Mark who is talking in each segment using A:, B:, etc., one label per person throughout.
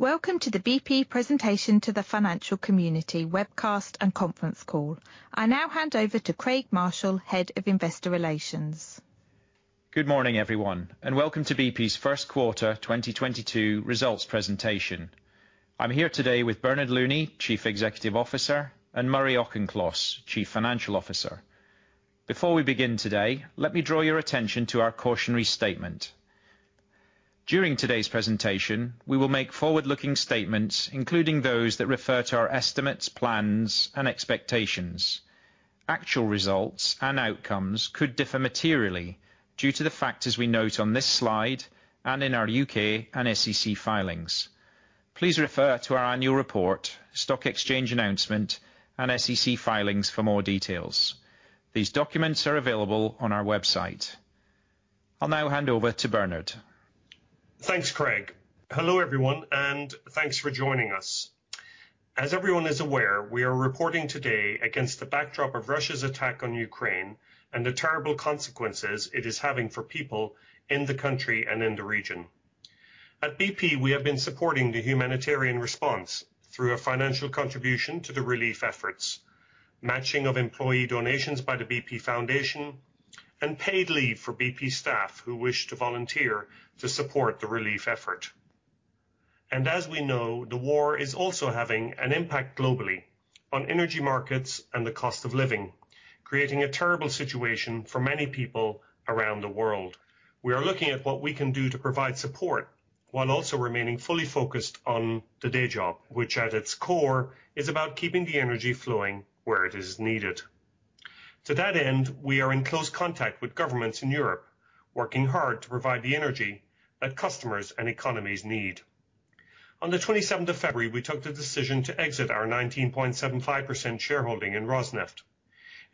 A: Welcome to the BP presentation to the financial community webcast and conference call. I now hand over to Craig Marshall, Head of Investor Relations.
B: Good morning, everyone, and welcome to BP's Q1 2022 results presentation. I'm here today with Bernard Looney, Chief Executive Officer, and Murray Auchincloss, Chief Financial Officer. Before we begin today, let me draw your attention to our cautionary statement. During today's presentation, we will make forward-looking statements, including those that refer to our estimates, plans, and expectations. Actual results and outcomes could differ materially due to the factors we note on this slide and in our U.K. and SEC filings. Please refer to our annual report, stock exchange announcement, and SEC filings for more details. These documents are available on our website. I'll now hand over to Bernard.
C: Thanks, Craig. Hello, everyone, and thanks for joining us. As everyone is aware, we are reporting today against the backdrop of Russia's attack on Ukraine and the terrible consequences it is having for people in the country and in the region. At BP, we have been supporting the humanitarian response through a financial contribution to the relief efforts, matching of employee donations by the BP Foundation, and paid leave for BP staff who wish to volunteer to support the relief effort. As we know, the war is also having an impact globally on energy markets and the cost of living, creating a terrible situation for many people around the world. We are looking at what we can do to provide support while also remaining fully focused on the day job, which at its core is about keeping the energy flowing where it is needed. To that end, we are in close contact with governments in Europe, working hard to provide the energy that customers and economies need. On the 27th of February, we took the decision to exit our 19.75% shareholding in Rosneft.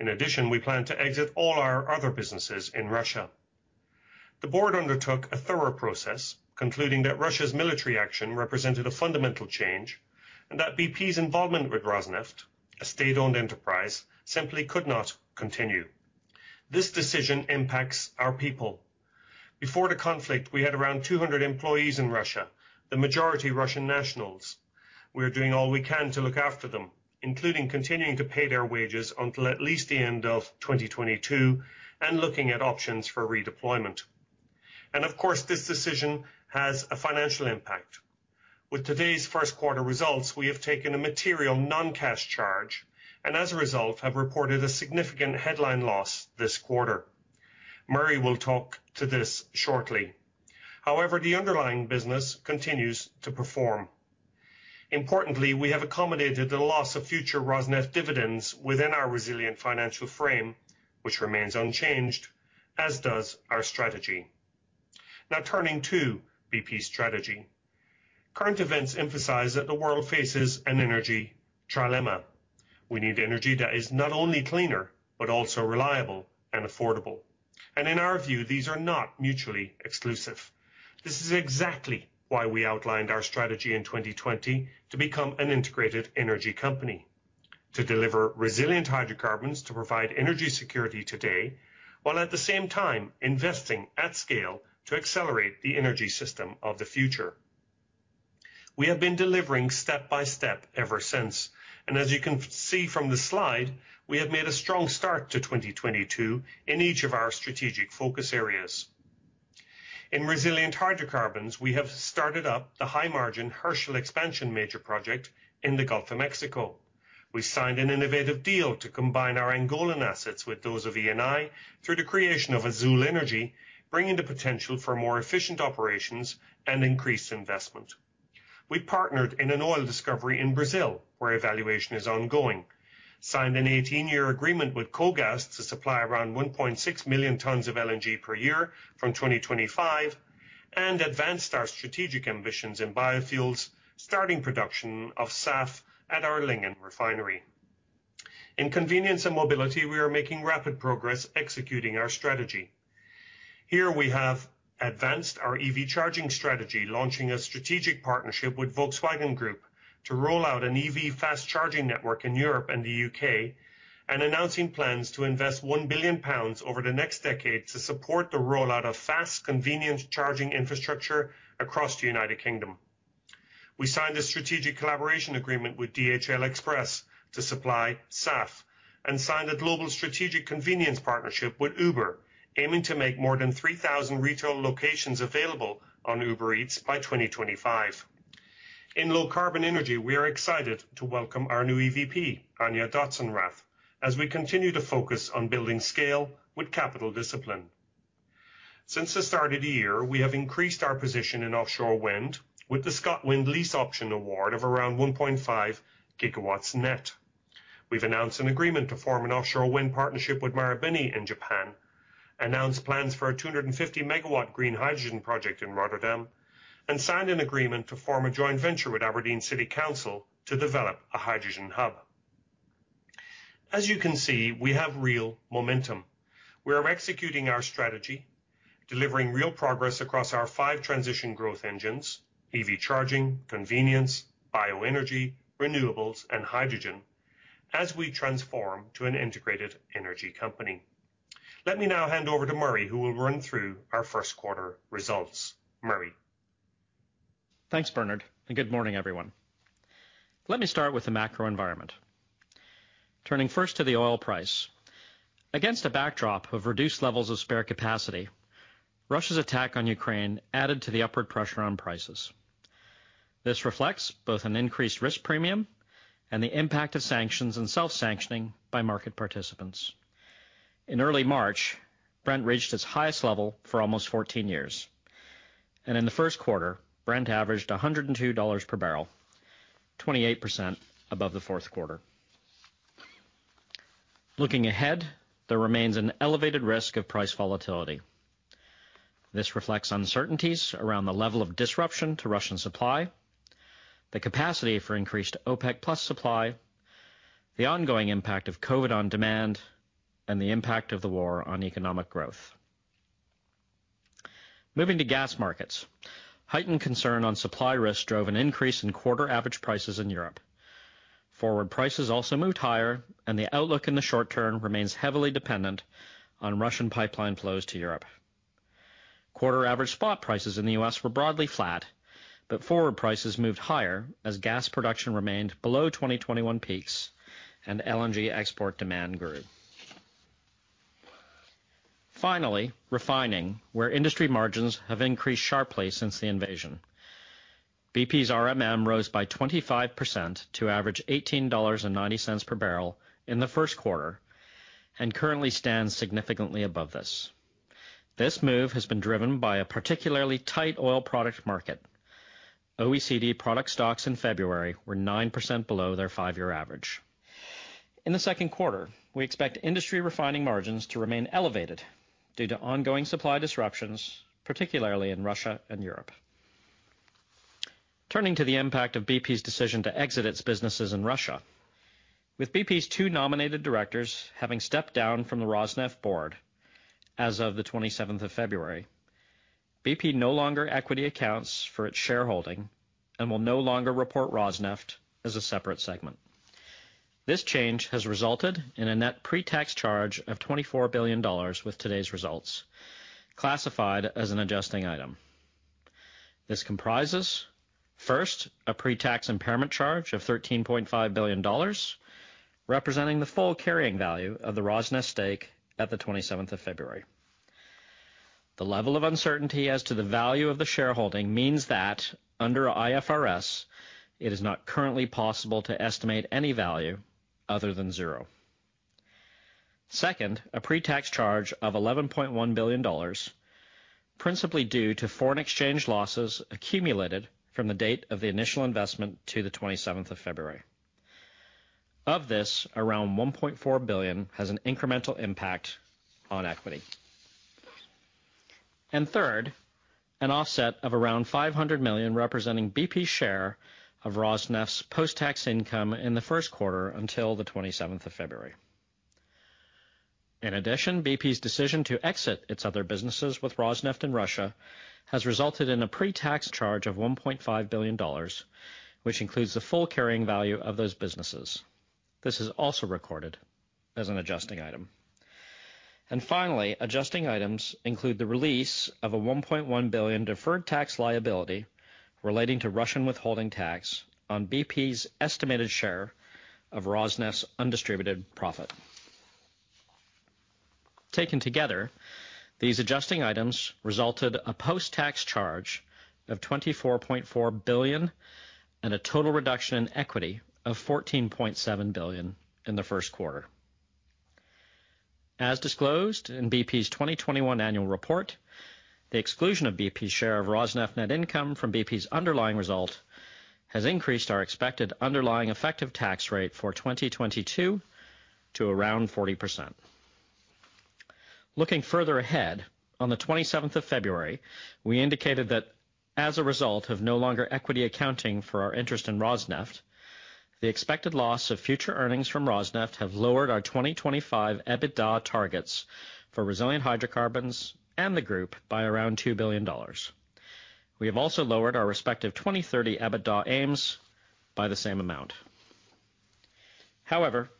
C: In addition, we plan to exit all our other businesses in Russia. The board undertook a thorough process, concluding that Russia's military action represented a fundamental change, and that BP's involvement with Rosneft, a state-owned enterprise, simply could not continue. This decision impacts our people. Before the conflict, we had around 200 employees in Russia, the majority Russian nationals. We are doing all we can to look after them, including continuing to pay their wages until at least the end of 2022 and looking at options for redeployment. Of course, this decision has a financial impact. With today's Q1 results, we have taken a material non-cash charge and as a result, have reported a significant headline loss this quarter. Murray will talk to this shortly. However, the underlying business continues to perform. Importantly, we have accommodated the loss of future Rosneft dividends within our resilient financial frame, which remains unchanged, as does our strategy. Now, turning to BP strategy. Current events emphasize that the world faces an energy trilemma. We need energy that is not only cleaner, but also reliable and affordable. In our view, these are not mutually exclusive. This is exactly why we outlined our strategy in 2020 to become an integrated energy company. To deliver resilient hydrocarbons to provide energy security today, while at the same time investing at scale to accelerate the energy system of the future. We have been delivering step by step ever since. As you can see from the slide, we have made a strong start to 2022 in each of our strategic focus areas. In resilient hydrocarbons, we have started up the high-margin Herschel Expansion major project in the Gulf of Mexico. We signed an innovative deal to combine our Angolan assets with those of Eni through the creation of Azule Energy, bringing the potential for more efficient operations and increased investment. We partnered in an oil discovery in Brazil, where evaluation is ongoing. Signed an 18-year agreement with KOGAS to supply around 1.6 million tons of LNG per year from 2025, and advanced our strategic ambitions in biofuels, starting production of SAF at our Lingen refinery. In convenience and mobility, we are making rapid progress executing our strategy. Here we have advanced our EV charging strategy, launching a strategic partnership with Volkswagen Group to roll out an EV fast charging network in Europe and the U.K., and announcing plans to invest 1 billion pounds over the next decade to support the rollout of fast, convenient charging infrastructure across the United Kingdom. We signed a strategic collaboration agreement with DHL Express to supply SAF, and signed a global strategic convenience partnership with Uber, aiming to make more than 3,000 retail locations available on Uber Eats by 2025. In low carbon energy, we are excited to welcome our new EVP, Anja-Isabel Dotzenrath, as we continue to focus on building scale with capital discipline. Since the start of the year, we have increased our position in offshore wind with the ScotWind lease option award of around 1.5 GW net. We've announced an agreement to form an offshore wind partnership with Marubeni in Japan, announced plans for a 250 MW green hydrogen project in Rotterdam, and signed an agreement to form a joint venture with Aberdeen City Council to develop a hydrogen hub. As you can see, we have real momentum. We are executing our strategy, delivering real progress across our five transition growth engines, EV charging, convenience, bioenergy, renewables, and hydrogen as we transform to an integrated energy company. Let me now hand over to Murray, who will run through our Q1 results. Murray.
D: Thanks, Bernard, and good morning, everyone. Let me start with the macro environment. Turning first to the oil price. Against a backdrop of reduced levels of spare capacity, Russia's attack on Ukraine added to the upward pressure on prices. This reflects both an increased risk premium and the impact of sanctions and self-sanctioning by market participants. In early March, Brent reached its highest level for almost 14 years. In the Q1, Brent averaged $102 per barrel, 28% above the Q4. Looking ahead, there remains an elevated risk of price volatility. This reflects uncertainties around the level of disruption to Russian supply, the capacity for increased OPEC plus supply, the ongoing impact of COVID on demand, and the impact of the war on economic growth. Moving to gas markets. Heightened concern on supply risk drove an increase in quarter average prices in Europe. Forward prices also moved higher, and the outlook in the short term remains heavily dependent on Russian pipeline flows to Europe. Quarter average spot prices in the U.S. were broadly flat, but forward prices moved higher as gas production remained below 2021 peaks and LNG export demand grew. Finally, refining, where industry margins have increased sharply since the invasion. BP's RMM rose by 25% to average $18.90 per barrel in the Q1, and currently stands significantly above this. This move has been driven by a particularly tight oil product market. OECD product stocks in February were 9% below their five-year average. In the Q2, we expect industry refining margins to remain elevated due to ongoing supply disruptions, particularly in Russia and Europe. Turning to the impact of BP's decision to exit its businesses in Russia. With BP's two nominated directors having stepped down from the Rosneft board as of the 27th of February, BP no longer equity accounts for its shareholding and will no longer report Rosneft as a separate segment. This change has resulted in a net pre-tax charge of $24 billion with today's results classified as an adjusting item. This comprises, first, a pre-tax impairment charge of $13.5 billion, representing the full carrying value of the Rosneft stake at the 27th of February. The level of uncertainty as to the value of the shareholding means that under IFRS, it is not currently possible to estimate any value other than zero. Second, a pre-tax charge of $11.1 billion, principally due to foreign exchange losses accumulated from the date of the initial investment to the 27th of February. Of this, around $1.4 billion has an incremental impact on equity. Third, an offset of around $500 million representing BP's share of Rosneft's post-tax income in the Q1 until the 27th of February. In addition, BP's decision to exit its other businesses with Rosneft in Russia has resulted in a pre-tax charge of $1.5 billion, which includes the full carrying value of those businesses. This is also recorded as an adjusting item. Finally, adjusting items include the release of a $1.1 billion deferred tax liability relating to Russian withholding tax on BP's estimated share of Rosneft's undistributed profit. Taken together, these adjusting items resulted in a post-tax charge of $24.4 billion and a total reduction in equity of $14.7 billion in the Q1. As disclosed in BP's 2021 annual report, the exclusion of BP's share of Rosneft net income from BP's underlying result has increased our expected underlying effective tax rate for 2022 to around 40%. Looking further ahead, on the 27th of February, we indicated that as a result of no longer equity accounting for our interest in Rosneft, the expected loss of future earnings from Rosneft have lowered our 2025 EBITDA targets for resilient hydrocarbons and the group by around $2 billion. We have also lowered our respective 2030 EBITDA aims by the same amount. However,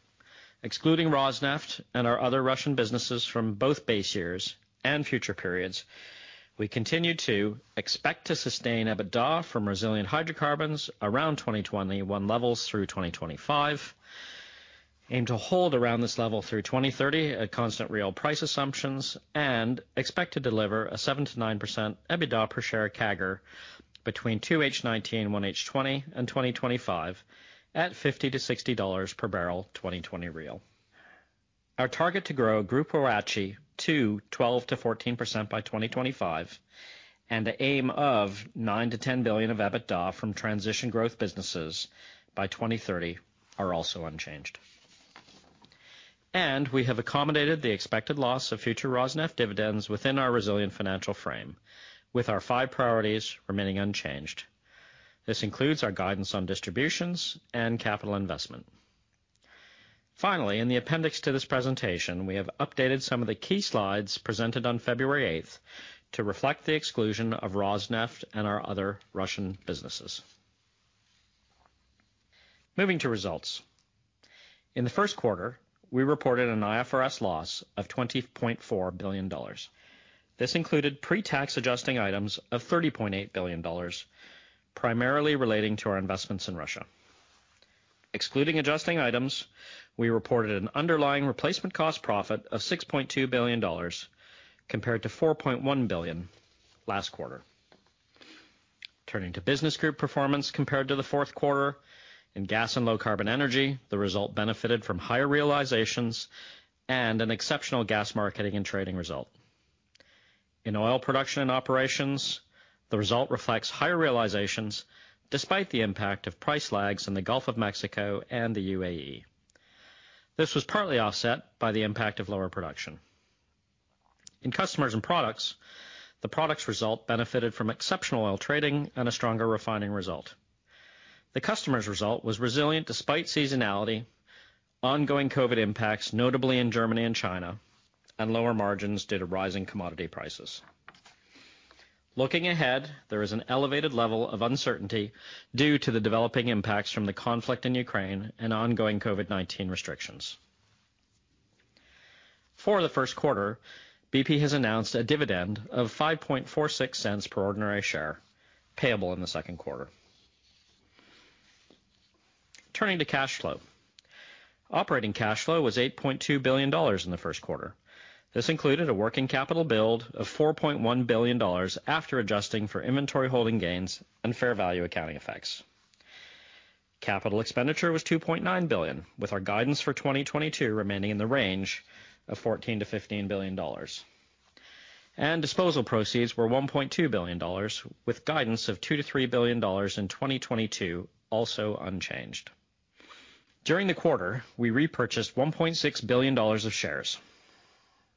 D: excluding Rosneft and our other Russian businesses from both base years and future periods, we continue to expect to sustain EBITDA from resilient hydrocarbons around 2021 levels through 2025, aim to hold around this level through 2030 at constant real price assumptions, and expect to deliver a 7%-9% EBITDA per share CAGR between 2H19, 1H20 and 2025 at $50-$60 per barrel 2020 real. Our target to grow group ROACE to 12%-14% by 2025 and the aim of $9 billion-$10 billion of EBITDA from transition growth businesses by 2030 are also unchanged. We have accommodated the expected loss of future Rosneft dividends within our resilient financial frame, with our five priorities remaining unchanged. This includes our guidance on distributions and capital investment. Finally, in the appendix to this presentation, we have updated some of the key slides presented on February 8 to reflect the exclusion of Rosneft and our other Russian businesses. Moving to results. In the Q1, we reported an IFRS loss of $20.4 billion. This included pre-tax adjusting items of $30.8 billion, primarily relating to our investments in Russia. Excluding adjusting items, we reported an underlying replacement cost profit of $6.2 billion compared to $4.1 billion last quarter. Turning to business group performance compared to the Q4. In Gas and Low Carbon Energy, the result benefited from higher realizations and an exceptional gas marketing and trading result. In Oil Production and Operations, the result reflects higher realizations despite the impact of price lags in the Gulf of Mexico and the UAE. This was partly offset by the impact of lower production. In customers and products, the products result benefited from exceptional oil trading and a stronger refining result. The customer's result was resilient despite seasonality, ongoing COVID impacts, notably in Germany and China, and lower margins due to rising commodity prices. Looking ahead, there is an elevated level of uncertainty due to the developing impacts from the conflict in Ukraine and ongoing COVID-19 restrictions. For the Q1, BP has announced a dividend of $0.0546 per ordinary share payable in the Q2. Turning to cash flow. Operating cash flow was $8.2 billion in the Q1. This included a working capital build of $4.1 billion after adjusting for inventory holding gains and fair value accounting effects. Capital expenditure was $2.9 billion, with our guidance for 2022 remaining in the range of $14 billion-$15 billion. Disposal proceeds were $1.2 billion, with guidance of $2 billion-$3 billion in 2022 also unchanged. During the quarter, we repurchased $1.6 billion of shares.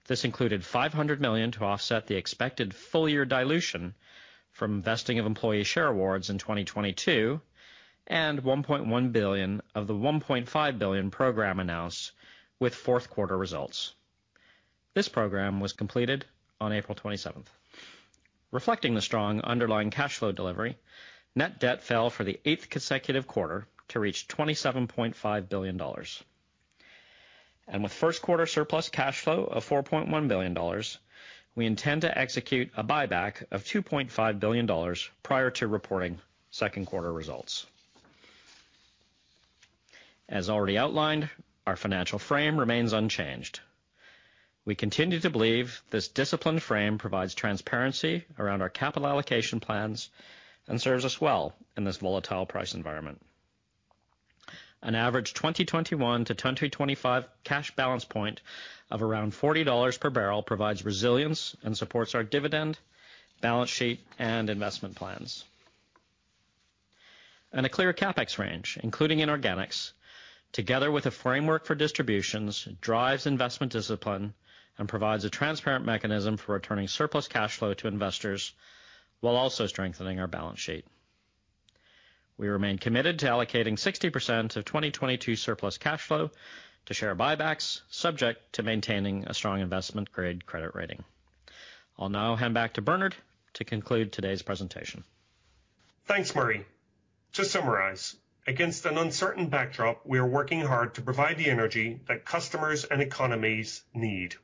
D: This included $500 million to offset the expected full-year dilution from vesting of employee share awards in 2022, and $1.1 billion of the $1.5 billion program announced with Q4 results. This program was completed on April 27. Reflecting the strong underlying cash flow delivery, net debt fell for the eighth consecutive quarter to reach $27.5 billion. With Q1 surplus cash flow of $4.1 billion, we intend to execute a buyback of $2.5 billion prior to reporting Q2 results. As already outlined, our financial frame remains unchanged. We continue to believe this disciplined frame provides transparency around our capital allocation plans and serves us well in this volatile price environment. An average 2021-2025 cash balance point of around $40 per barrel provides resilience and supports our dividend, balance sheet, and investment plans. A clear CapEx range, including inorganics, together with a framework for distributions, drives investment discipline, and provides a transparent mechanism for returning surplus cash flow to investors while also strengthening our balance sheet. We remain committed to allocating 60% of 2022 surplus cash flow to share buybacks, subject to maintaining a strong investment-grade credit rating. I'll now hand back to Bernard to conclude today's presentation.
C: Thanks, Murray. To summarize, against an uncertain backdrop, we are working hard to provide the energy that customers and economies need.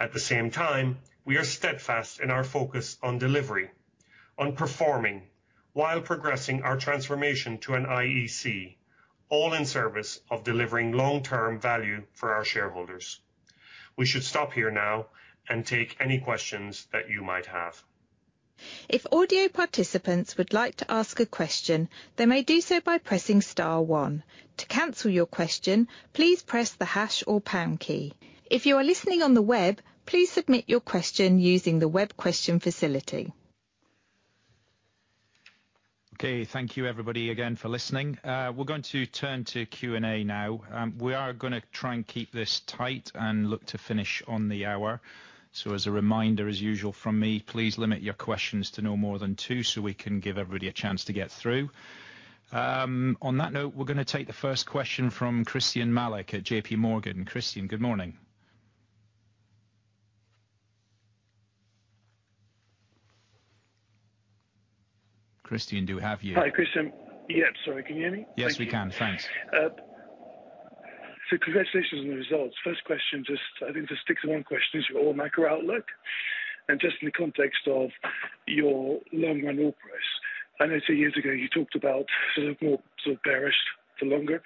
C: At the same time, we are steadfast in our focus on delivery, on performing while progressing our transformation to an IEC, all in service of delivering long-term value for our shareholders. We should stop here now and take any questions that you might have.
A: If audio participants would like to ask a question, they may do so by pressing star one. To cancel your question, please press the hash or pound key. If you are listening on the web, please submit your question using the web question facility.
B: Okay. Thank you, everybody, again for listening. We're going to turn to Q&A now. We are gonna try and keep this tight and look to finish on the hour. As a reminder, as usual from me, please limit your questions to no more than two so we can give everybody a chance to get through. On that note, we're gonna take the first question from Christyan Malek at JPMorgan. Christian, good morning. Christian, do we have you?
E: Hi, Christyan. Yeah, sorry, can you hear me?
B: Yes, we can. Thanks.
E: Congratulations on the results. First question, just I think to stick to one question is your oil macro outlook and just in the context of your long-run oil price. I know some years ago you talked about sort of more sort of bearish for longer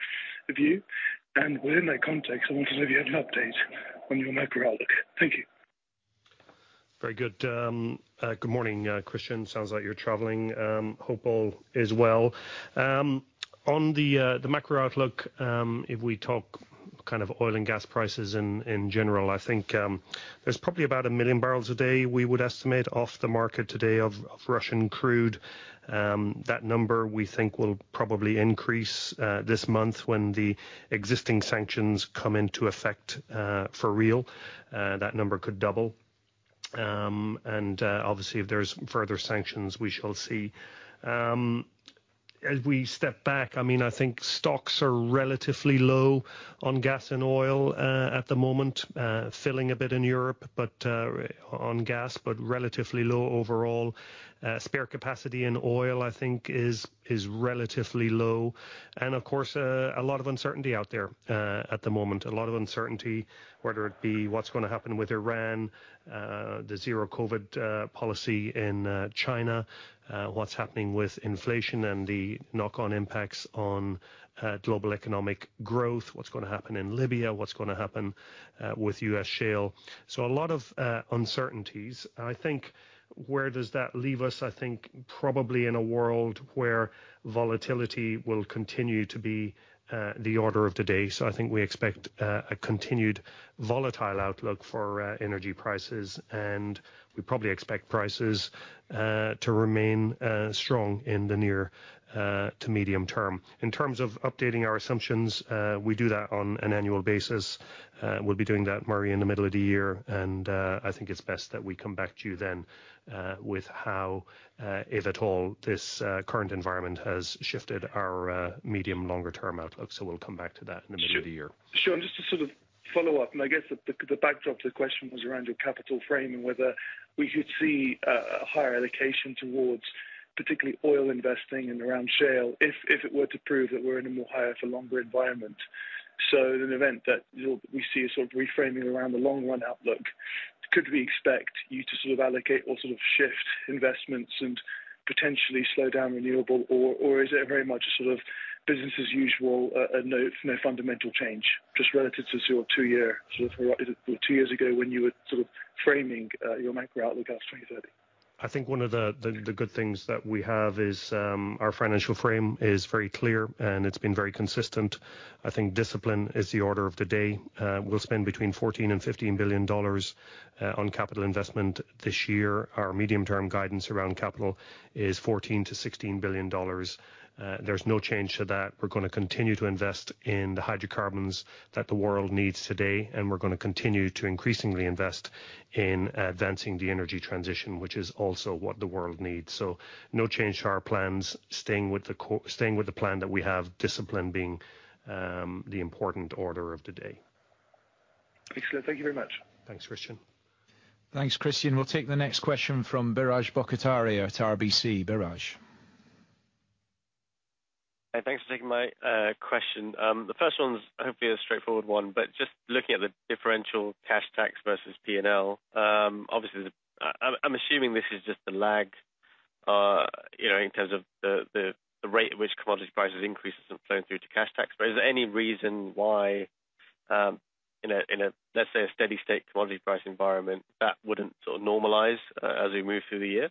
E: view. Within that context, I wonder if you have an update on your macro outlook. Thank you.
C: Very good. Good morning, Christyan. Sounds like you're traveling, hope all is well. On the macro outlook, if we talk kind of oil and gas prices in general, I think, there's probably about 1 million barrels a day we would estimate off the market today of Russian crude. That number we think will probably increase this month when the existing sanctions come into effect for real. That number could double. Obviously if there's further sanctions, we shall see. As we step back, I mean, I think stocks are relatively low on gas and oil at the moment. Building a bit in Europe on gas, but relatively low overall. Spare capacity in oil, I think, is relatively low. Of course, a lot of uncertainty out there at the moment. A lot of uncertainty, whether it be what's gonna happen with Iran, the zero-COVID policy in China, what's happening with inflation and the knock-on impacts on global economic growth. What's gonna happen in Libya? What's gonna happen with U.S. shale? A lot of uncertainties. I think where does that leave us? I think probably in a world where volatility will continue to be the order of the day. I think we expect a continued volatile outlook for energy prices, and we probably expect prices to remain strong in the near to medium term. In terms of updating our assumptions, we do that on an annual basis. We'll be doing that, Murray, in the middle of the year, and I think it's best that we come back to you then, with how, if at all, this current environment has shifted our medium, longer term outlook. We'll come back to that in the middle of the year.
E: Sure. Just to sort of follow up, I guess the backdrop to the question was around your capital framing, whether we should see a higher allocation towards particularly oil investing and around shale, if it were to prove that we're in a more higher for longer environment. In an event that we see a sort of reframing around the long run outlook, could we expect you to sort of allocate or sort of shift investments and potentially slow down renewable? Is it a very much a sort of business as usual, and no fundamental change? Just relative to sort of two-year, sort of what is it two years ago when you were sort of framing your macro outlook out to 2030.
C: I think one of the good things that we have is our financial framework is very clear, and it's been very consistent. I think discipline is the order of the day. We'll spend between $14 billion and $15 billion on capital investment this year. Our medium-term guidance around capital is $14-$16 billion. There's no change to that. We're gonna continue to invest in the hydrocarbons that the world needs today, and we're gonna continue to increasingly invest in advancing the energy transition, which is also what the world needs. No change to our plans. Staying with the plan that we have, discipline being the important order of the day.
E: Excellent. Thank you very much.
C: Thanks, Christyan.
B: Thanks, Christyan. We'll take the next question from Biraj Borkhataria at RBC. Biraj.
F: Hey, thanks for taking my question. The first one's hopefully a straightforward one, but just looking at the differential cash tax versus P&L, obviously I'm assuming this is just the lag, you know, in terms of the rate at which commodity prices increased since flowing through to cash tax. Is there any reason why, in a, let's say, a steady state commodity price environment that wouldn't sort of normalize as we move through the year?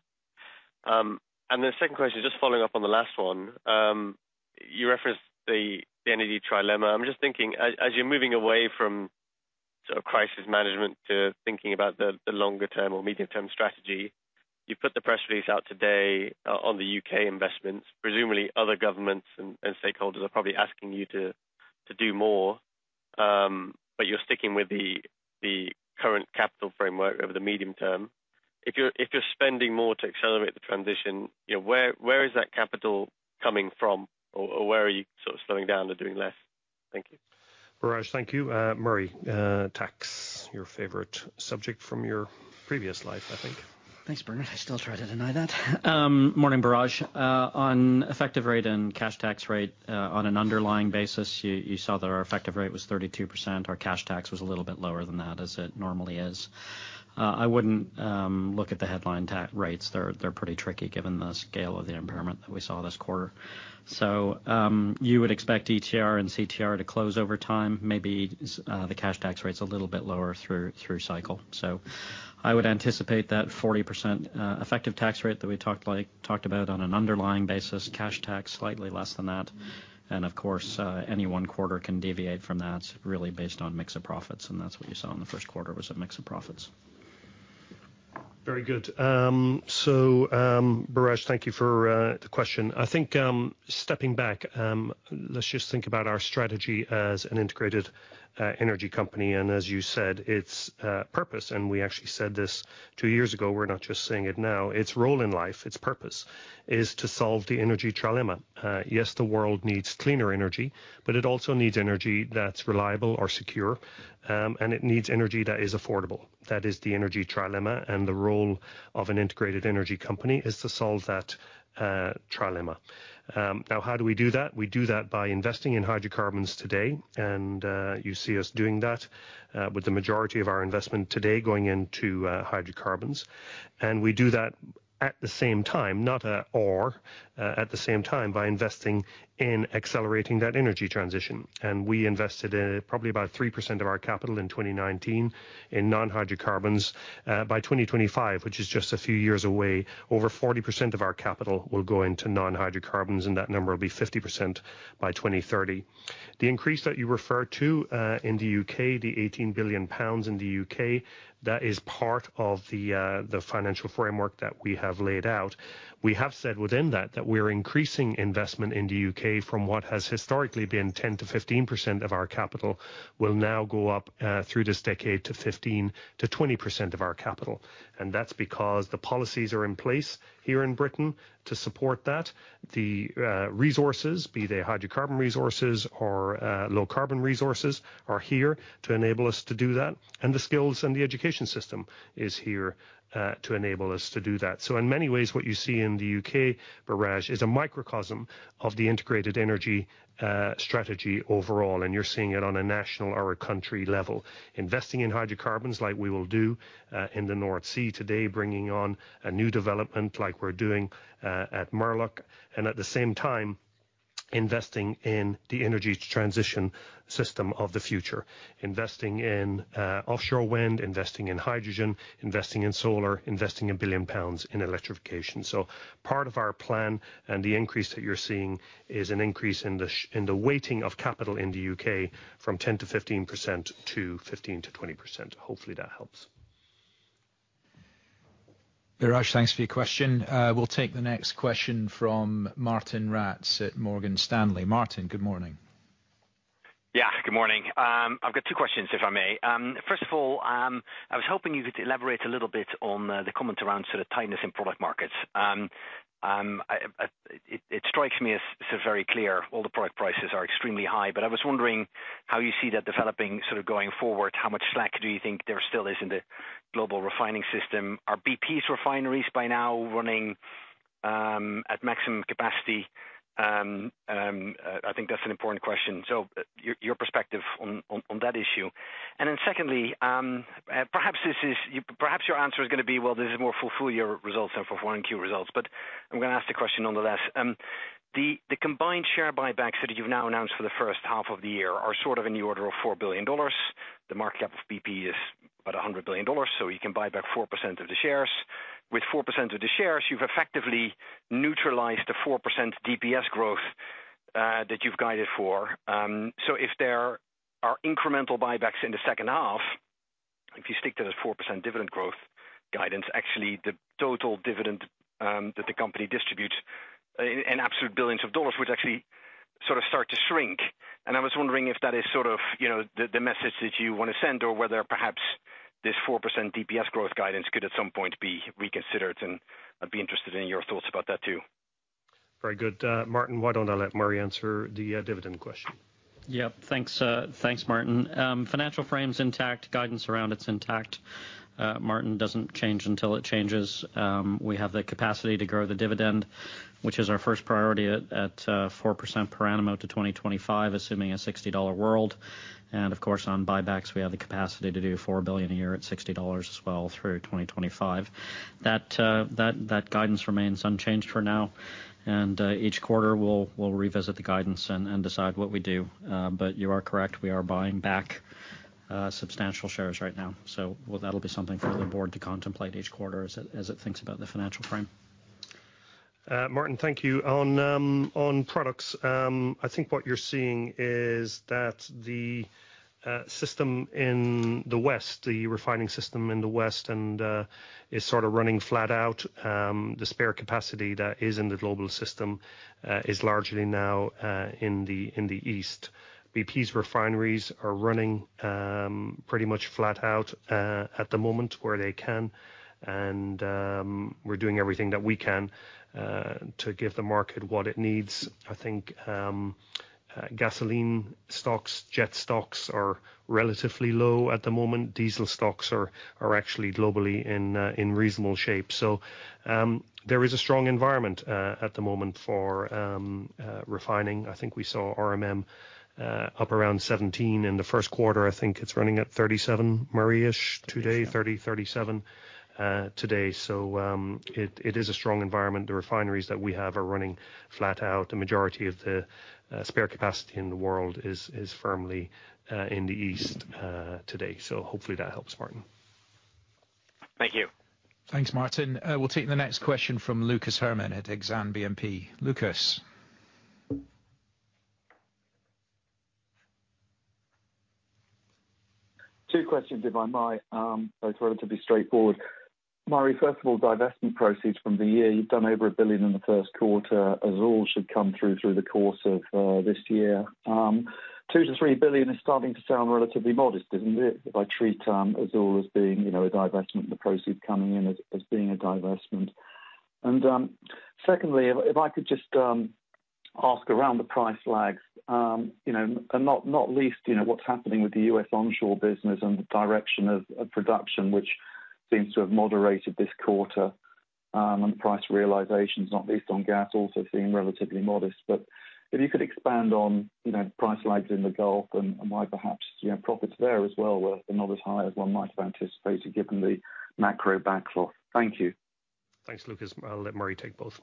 F: The second question, just following up on the last one. You referenced the energy trilemma. I'm just thinking as you're moving away from sort of crisis management to thinking about the longer term or medium-term strategy, you've put the press release out today on the U.K. investments. Presumably other governments and stakeholders are probably asking you to do more, but you're sticking with the current capital framework over the medium term. If you're spending more to accelerate the transition, yeah, where is that capital coming from? Or where are you sort of slowing down or doing less? Thank you.
C: Biraj, thank you. Murray, tax, your favorite subject from your previous life, I think.
D: Thanks, Bernard. I still try to deny that. Morning, Biraj. On effective rate and cash tax rate, on an underlying basis, you saw that our effective rate was 32%. Our cash tax was a little bit lower than that, as it normally is. I wouldn't look at the headline tax rates. They're pretty tricky given the scale of the impairment that we saw this quarter. You would expect ETR and CTR to close over time, maybe the cash tax rate's a little bit lower through cycle. I would anticipate that 40% effective tax rate that we talked about on an underlying basis, cash tax slightly less than that. Of course, any one quarter can deviate from that really based on mix of profits, and that's what you saw in the Q1 was a mix of profits.
C: Very good. Biraj, thank you for the question. I think, stepping back, let's just think about our strategy as an integrated energy company. As you said, its purpose, and we actually said this two years ago, we're not just saying it now. Its role in life, its purpose, is to solve the energy trilemma. Yes, the world needs cleaner energy, but it also needs energy that's reliable or secure, and it needs energy that is affordable. That is the energy trilemma, and the role of an integrated energy company is to solve that trilemma. Now how do we do that? We do that by investing in hydrocarbons today and you see us doing that, with the majority of our investment today going into hydrocarbons. We do that at the same time, not an or, by investing in accelerating that energy transition. We invested in probably about 3% of our capital in 2019 in non-hydrocarbons. By 2025, which is just a few years away, over 40% of our capital will go into non-hydrocarbons, and that number will be 50% by 2030. The increase that you refer to in the U.K., the 18 billion pounds in the U.K., that is part of the financial framework that we have laid out. We have said within that we're increasing investment in the U.K. from what has historically been 10%-15% of our capital will now go up through this decade to 15%-20% of our capital. That's because the policies are in place here in Britain to support that. The resources, be they hydrocarbon resources or low carbon resources, are here to enable us to do that, and the skills and the education system is here to enable us to do that. In many ways, what you see in the U.K., Biraj, is a microcosm of the integrated energy strategy overall, and you're seeing it on a national or a country level. Investing in hydrocarbons like we will do in the North Sea today, bringing on a new development like we're doing at Murlach, and at the same time investing in the energy transition system of the future, investing in offshore wind, investing in hydrogen, investing in solar, investing 1 billion pounds in electrification. Part of our plan and the increase that you're seeing is an increase in the weighting of capital in the U.K. from 10%-15% to 15%-20%. Hopefully, that helps.
B: Biraj, thanks for your question. We'll take the next question from Martijn Rats at Morgan Stanley. Martin, good morning.
G: Yeah, good morning. I've got two questions, if I may. First of all, I was hoping you could elaborate a little bit on the comment around sort of tightness in product markets. It strikes me as very clear all the product prices are extremely high. I was wondering how you see that developing sort of going forward. How much slack do you think there still is in the global refining system? Are BP's refineries by now running at maximum capacity? I think that's an important question. Your perspective on that issue. Secondly, perhaps this is, perhaps your answer is gonna be, well, this is more full year results than for 1Q results, but I'm gonna ask the question nonetheless. The combined share buybacks that you've now announced for the H1 of the year are sort of in the order of $4 billion. The market cap of BP is about $100 billion, so you can buy back 4% of the shares. With 4% of the shares, you've effectively neutralized the 4% DPS growth that you've guided for. If there are incremental buybacks in the H2, if you stick to the 4% dividend growth guidance, actually the total dividend that the company distributes in absolute billions of dollars would actually sort of start to shrink. I was wondering if that is sort of, you know, the message that you wanna send or whether perhaps this 4% DPS growth guidance could at some point be reconsidered, and I'd be interested in your thoughts about that too?
C: Very good. Martin, why don't I let Murray answer the dividend question?
D: Thanks, Martin. Financial frame's intact. Guidance around it's intact. Martin, it doesn't change until it changes. We have the capacity to grow the dividend, which is our first priority at 4% per annum to 2025, assuming a $60 world. Of course, on buybacks, we have the capacity to do $4 billion a year at $60 as well through 2025. That guidance remains unchanged for now. Each quarter we'll revisit the guidance and decide what we do. You are correct, we are buying back substantial shares right now. Well, that'll be something for the board to contemplate each quarter as it thinks about the financial frame.
C: Martin, thank you. On products, I think what you're seeing is that the system in the West, the refining system in the West and is sort of running flat out. The spare capacity that is in the global system is largely now in the East. BP's refineries are running pretty much flat out at the moment where they can, and we're doing everything that we can to give the market what it needs. I think gasoline stocks, jet stocks are relatively low at the moment. Diesel stocks are actually globally in reasonable shape. There is a strong environment at the moment for refining. I think we saw RMM up around $17 in the Q1. I think it's running at $37, Murray-ish today.
D: 37.
C: $30, $37 today. It is a strong environment. The refineries that we have are running flat out. The majority of the spare capacity in the world is firmly in the East today. Hopefully that helps, Martijn Rats.
G: Thank you.
B: Thanks, Martin. We'll take the next question from Lucas Herrmann at Exane BNP. Lucas.
H: Two questions, if I might. Both relatively straightforward. Murray, first of all, divestment proceeds from the year, you've done over $1 billion in the Q1. Azule should come through the course of this year. $2 billion-$3 billion is starting to sound relatively modest, isn't it, if I treat Azule as being, you know, a divestment, the proceeds coming in as being a divestment? Secondly, if I could just ask about the price lags, you know, and not least, you know, what's happening with the US onshore business and the direction of production, which seems to have moderated this quarter, and price realizations, not least on gas, also seem relatively modest. If you could expand on, you know, price lags in the Gulf and why perhaps, you know, profits there as well were not as high as one might have anticipated given the macro backdrop. Thank you.
C: Thanks, Lucas. I'll let Murray take both.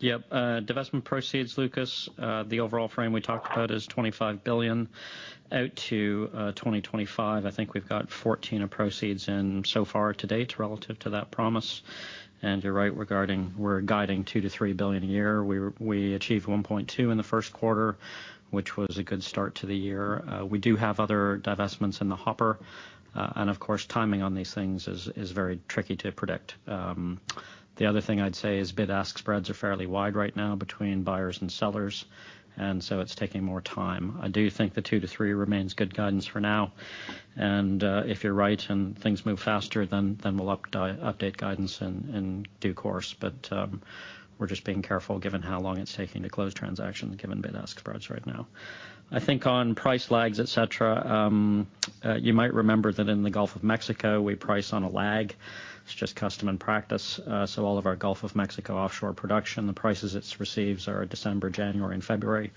D: Yep. Divestment proceeds, Lucas, the overall frame we talked about is $25 billion out to 2025. I think we've got $14 billion of proceeds in so far to date relative to that promise, and you're right regarding we're guiding $2 billion-$3 billion a year. We achieved 1.2x in the Q1, which was a good start to the year. We do have other divestments in the hopper, and of course, timing on these things is very tricky to predict. The other thing I'd say is bid-ask spreads are fairly wide right now between buyers and sellers, and so it's taking more time. I do think the 2x-3x remains good guidance for now, and if you're right and things move faster, then we'll update guidance in due course. We're just being careful given how long it's taking to close transactions given bid-ask spreads right now. I think on price lags, et cetera, you might remember that in the Gulf of Mexico, we price on a lag. It's just custom and practice. All of our Gulf of Mexico offshore production, the prices it receives are December, January and February.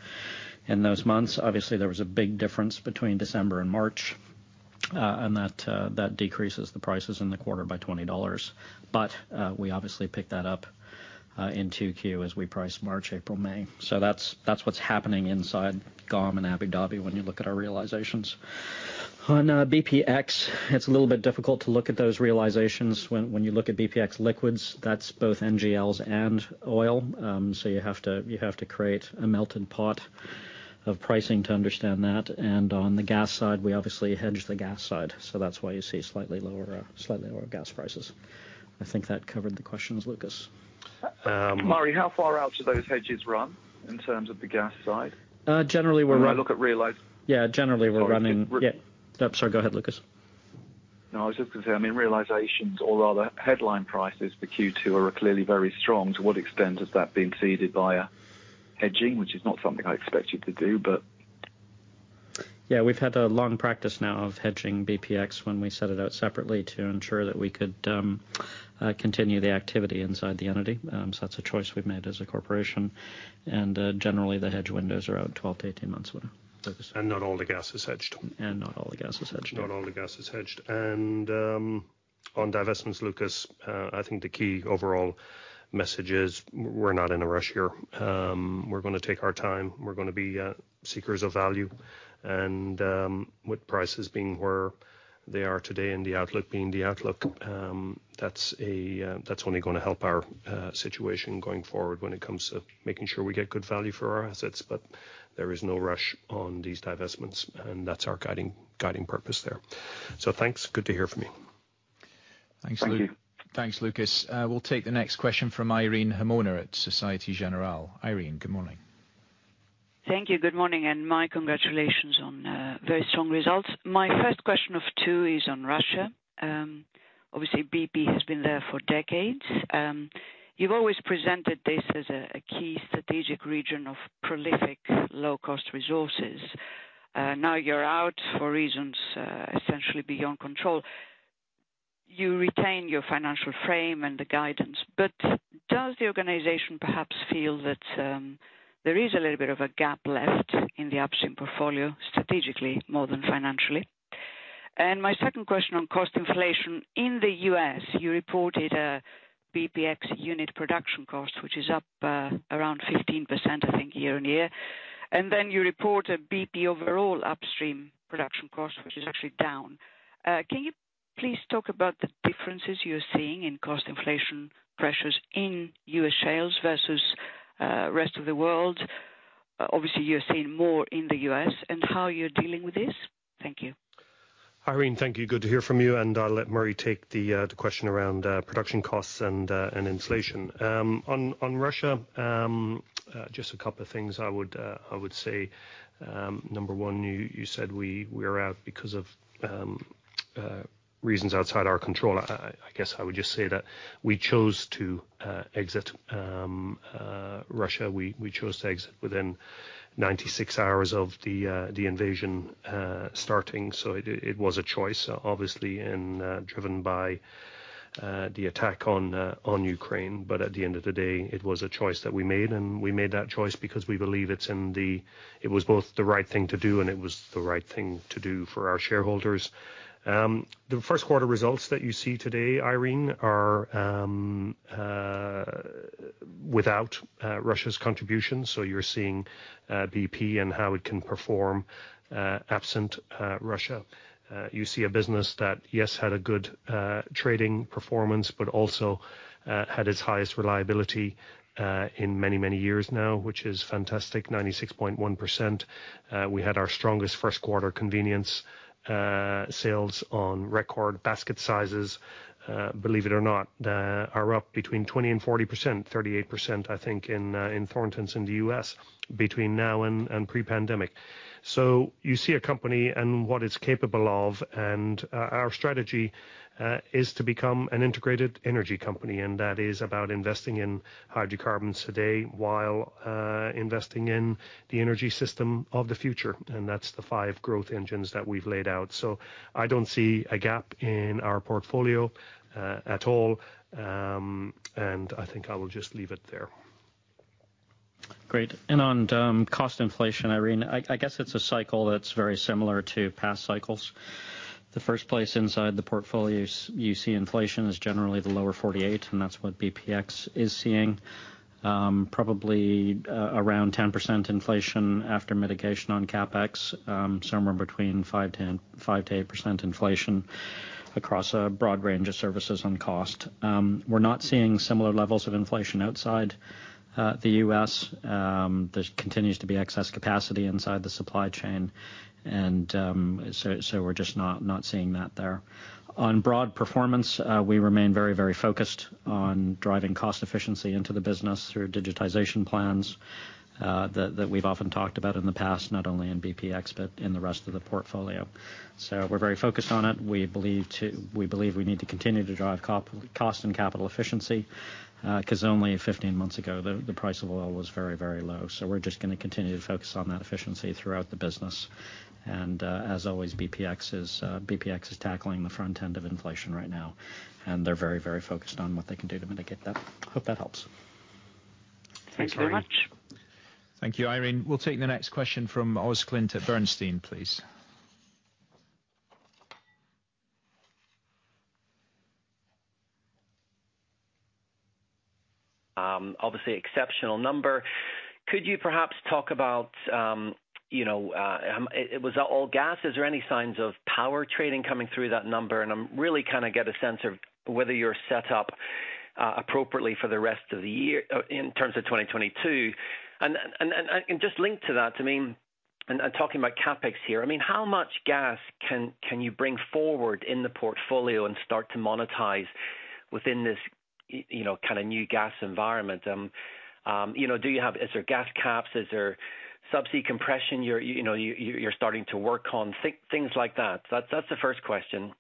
D: In those months, obviously there was a big difference between December and March, and that decreases the prices in the quarter by $20. We obviously pick that up in 2Q as we price March, April, May. That's what's happening inside GOM and Abu Dhabi when you look at our realizations. On BPX, it's a little bit difficult to look at those realizations. When you look at BPX liquids, that's both NGLs and oil, so you have to create a melting pot of pricing to understand that. On the gas side, we obviously hedge the gas side, so that's why you see slightly lower gas prices. I think that covered the questions, Lucas.
C: Um-
H: Murray, how far out do those hedges run in terms of the gas side?
D: Generally, we're
H: When I look at realize-
D: Yeah. Oh, sorry, go ahead, Lucas.
H: No, I was just gonna say, I mean, realizations or other headline prices for Q2 are clearly very strong. To what extent is that being aided by a hedging, which is not something I expect you to do, but.
D: Yeah, we've had a long practice now of hedging BPX when we set it out separately to ensure that we could continue the activity inside the entity. So that's a choice we've made as a corporation. Generally the hedge windows are out 12-18 months window.
C: Not all the gas is hedged.
D: Not all the gas is hedged, no.
C: Not all the gas is hedged. On divestments, Lucas, I think the key overall message is we're not in a rush here. We're gonna take our time. We're gonna be seekers of value and with prices being where they are today and the outlook being the outlook, that's only gonna help our situation going forward when it comes to making sure we get good value for our assets. There is no rush on these divestments, and that's our guiding purpose there. Thanks. Good to hear from you.
H: Thank you.
B: Thanks, Lucas. We'll take the next question from Irene Himona at Société Générale. Irene, good morning.
I: Thank you. Good morning, and my congratulations on very strong results. My first question of two is on Russia. Obviously BP has been there for decades. You've always presented this as a key strategic region of prolific low cost resources. Now you're out for reasons essentially beyond control. You retain your financial frame and the guidance, but does the organization perhaps feel that there is a little bit of a gap left in the upstream portfolio strategically more than financially? My second question on cost inflation. In the U.S., you reported a BPX unit production cost, which is up around 15%, I think year-on-year. Then you report a BP overall upstream production cost, which is actually down. Can you please talk about the differences you're seeing in cost inflation pressures in U.S. sales versus rest of the world? Obviously, you're seeing more in the U.S., and how you're dealing with this. Thank you.
C: Irene, thank you. Good to hear from you, and I'll let Murray take the question around production costs and inflation. On Russia, just a couple of things I would say. Number one, you said we are out because of reasons outside our control. I guess I would just say that we chose to exit Russia. We chose to exit within 96 hours of the invasion starting. It was a choice, obviously, and driven by the attack on Ukraine. At the end of the day, it was a choice that we made, and we made that choice because we believe it was both the right thing to do and the right thing to do for our shareholders. The Q1 results that you see today, Irene, are without Russia's contribution. You're seeing BP and how it can perform absent Russia. You see a business that, yes, had a good trading performance, but also had its highest reliability in many years now, which is fantastic, 96.1%. We had our strongest Q1 convenience sales on record. Basket sizes, believe it or not, are up between 20% and 40%, 38%, I think, in Thorntons in the US between now and pre-pandemic. You see a company and what it's capable of, and our strategy is to become an integrated energy company, and that is about investing in hydrocarbons today while investing in the energy system of the future. That's the 5 growth engines that we've laid out. I don't see a gap in our portfolio at all. I think I will just leave it there. Great. On cost inflation, Irene, I guess it's a cycle that's very similar to past cycles. The first place inside the portfolios you see inflation is generally the lower 48%, and that's what BPX is seeing. Probably around 10% inflation after mitigation on CapEx, somewhere between 5%-8% inflation across a broad range of services on cost. We're not seeing similar levels of inflation outside the U.S. There continues to be excess capacity inside the supply chain, and so we're just not seeing that there. On broad performance, we remain very focused on driving cost efficiency into the business through digitization plans that we've often talked about in the past, not only in BPX but in the rest of the portfolio. We're very focused on it. We believe we need to continue to drive cost and capital efficiency, 'cause only 15 months ago, the price of oil was very low. We're just gonna continue to focus on that efficiency throughout the business. As always, BPX is tackling the front end of inflation right now, and they're very, very focused on what they can do to mitigate that. Hope that helps.
J: Thanks very much.
C: Thanks, Murray.
B: Thank you, Irene. We'll take the next question from Oswald Clint at Bernstein, please.
K: Obviously exceptional number. Could you perhaps talk about, you know, it was all gas. Is there any signs of power trading coming through that number? Really kind of get a sense of whether you're set up appropriately for the rest of the year, in terms of 2022. Just linked to that, I mean, talking about CapEx here, I mean, how much gas can you bring forward in the portfolio and start to monetize within this, you know, kind of new gas environment? You know, do you have gas caps? Is there subsea compression you're, you know, starting to work on? Things like that. That's the first question.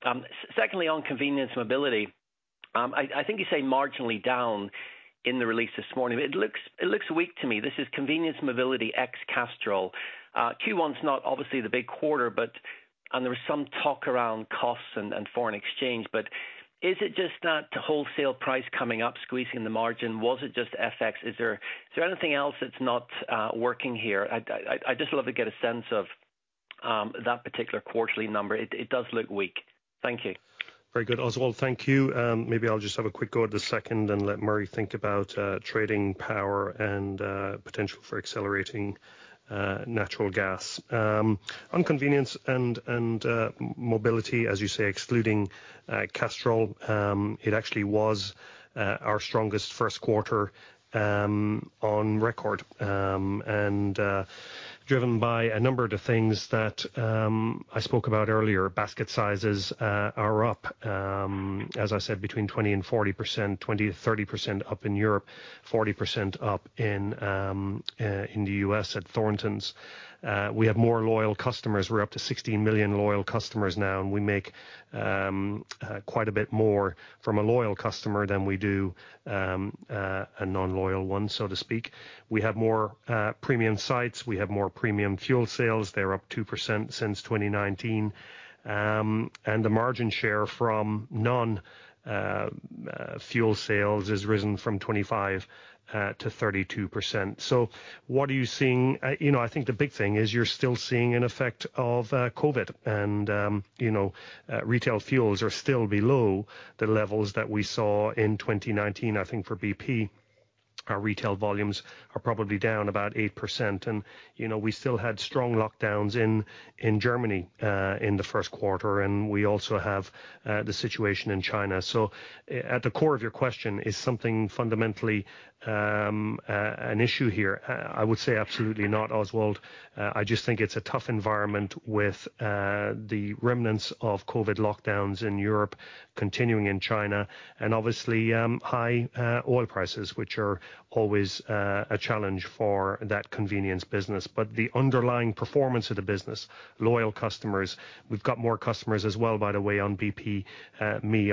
K: Secondly, on convenience mobility, I think you say marginally down in the release this morning, but it looks weak to me. This is convenience mobility ex Castrol. Q1's not obviously the big quarter, but there was some talk around costs and foreign exchange. But is it just that the wholesale price coming up squeezing the margin? Was it just FX? Is there anything else that's not working here? I just would love to get a sense of that particular quarterly number. It does look weak. Thank you.
C: Very good, Oswald. Thank you. Maybe I'll just have a quick go at the second and let Murray think about trading power and potential for accelerating natural gas. On convenience and mobility, as you say, excluding Castrol, it actually was our strongest Q1 on record. Driven by a number of the things that I spoke about earlier. Basket sizes are up, as I said, 20%-40%. 20%-30% up in Europe, 40% up in the U.S. at Thorntons. We have more loyal customers. We're up to 16 million loyal customers now, and we make quite a bit more from a loyal customer than we do a non-loyal one, so to speak. We have more premium sites. We have more premium fuel sales. They're up 2% since 2019. The margin share from non-fuel sales has risen from 25%-32%. What are you seeing? You know, I think the big thing is you're still seeing an effect of COVID. You know, retail fuels are still below the levels that we saw in 2019. I think for BP, our retail volumes are probably down about 8%. You know, we still had strong lockdowns in Germany in the Q1, and we also have the situation in China. At the core of your question, is something fundamentally an issue here? I would say absolutely not, Oswald. I just think it's a tough environment with the remnants of COVID lockdowns in Europe continuing in China and obviously high oil prices, which are always a challenge for that convenience business. The underlying performance of the business, loyal customers, we've got more customers as well, by the way, on BPme,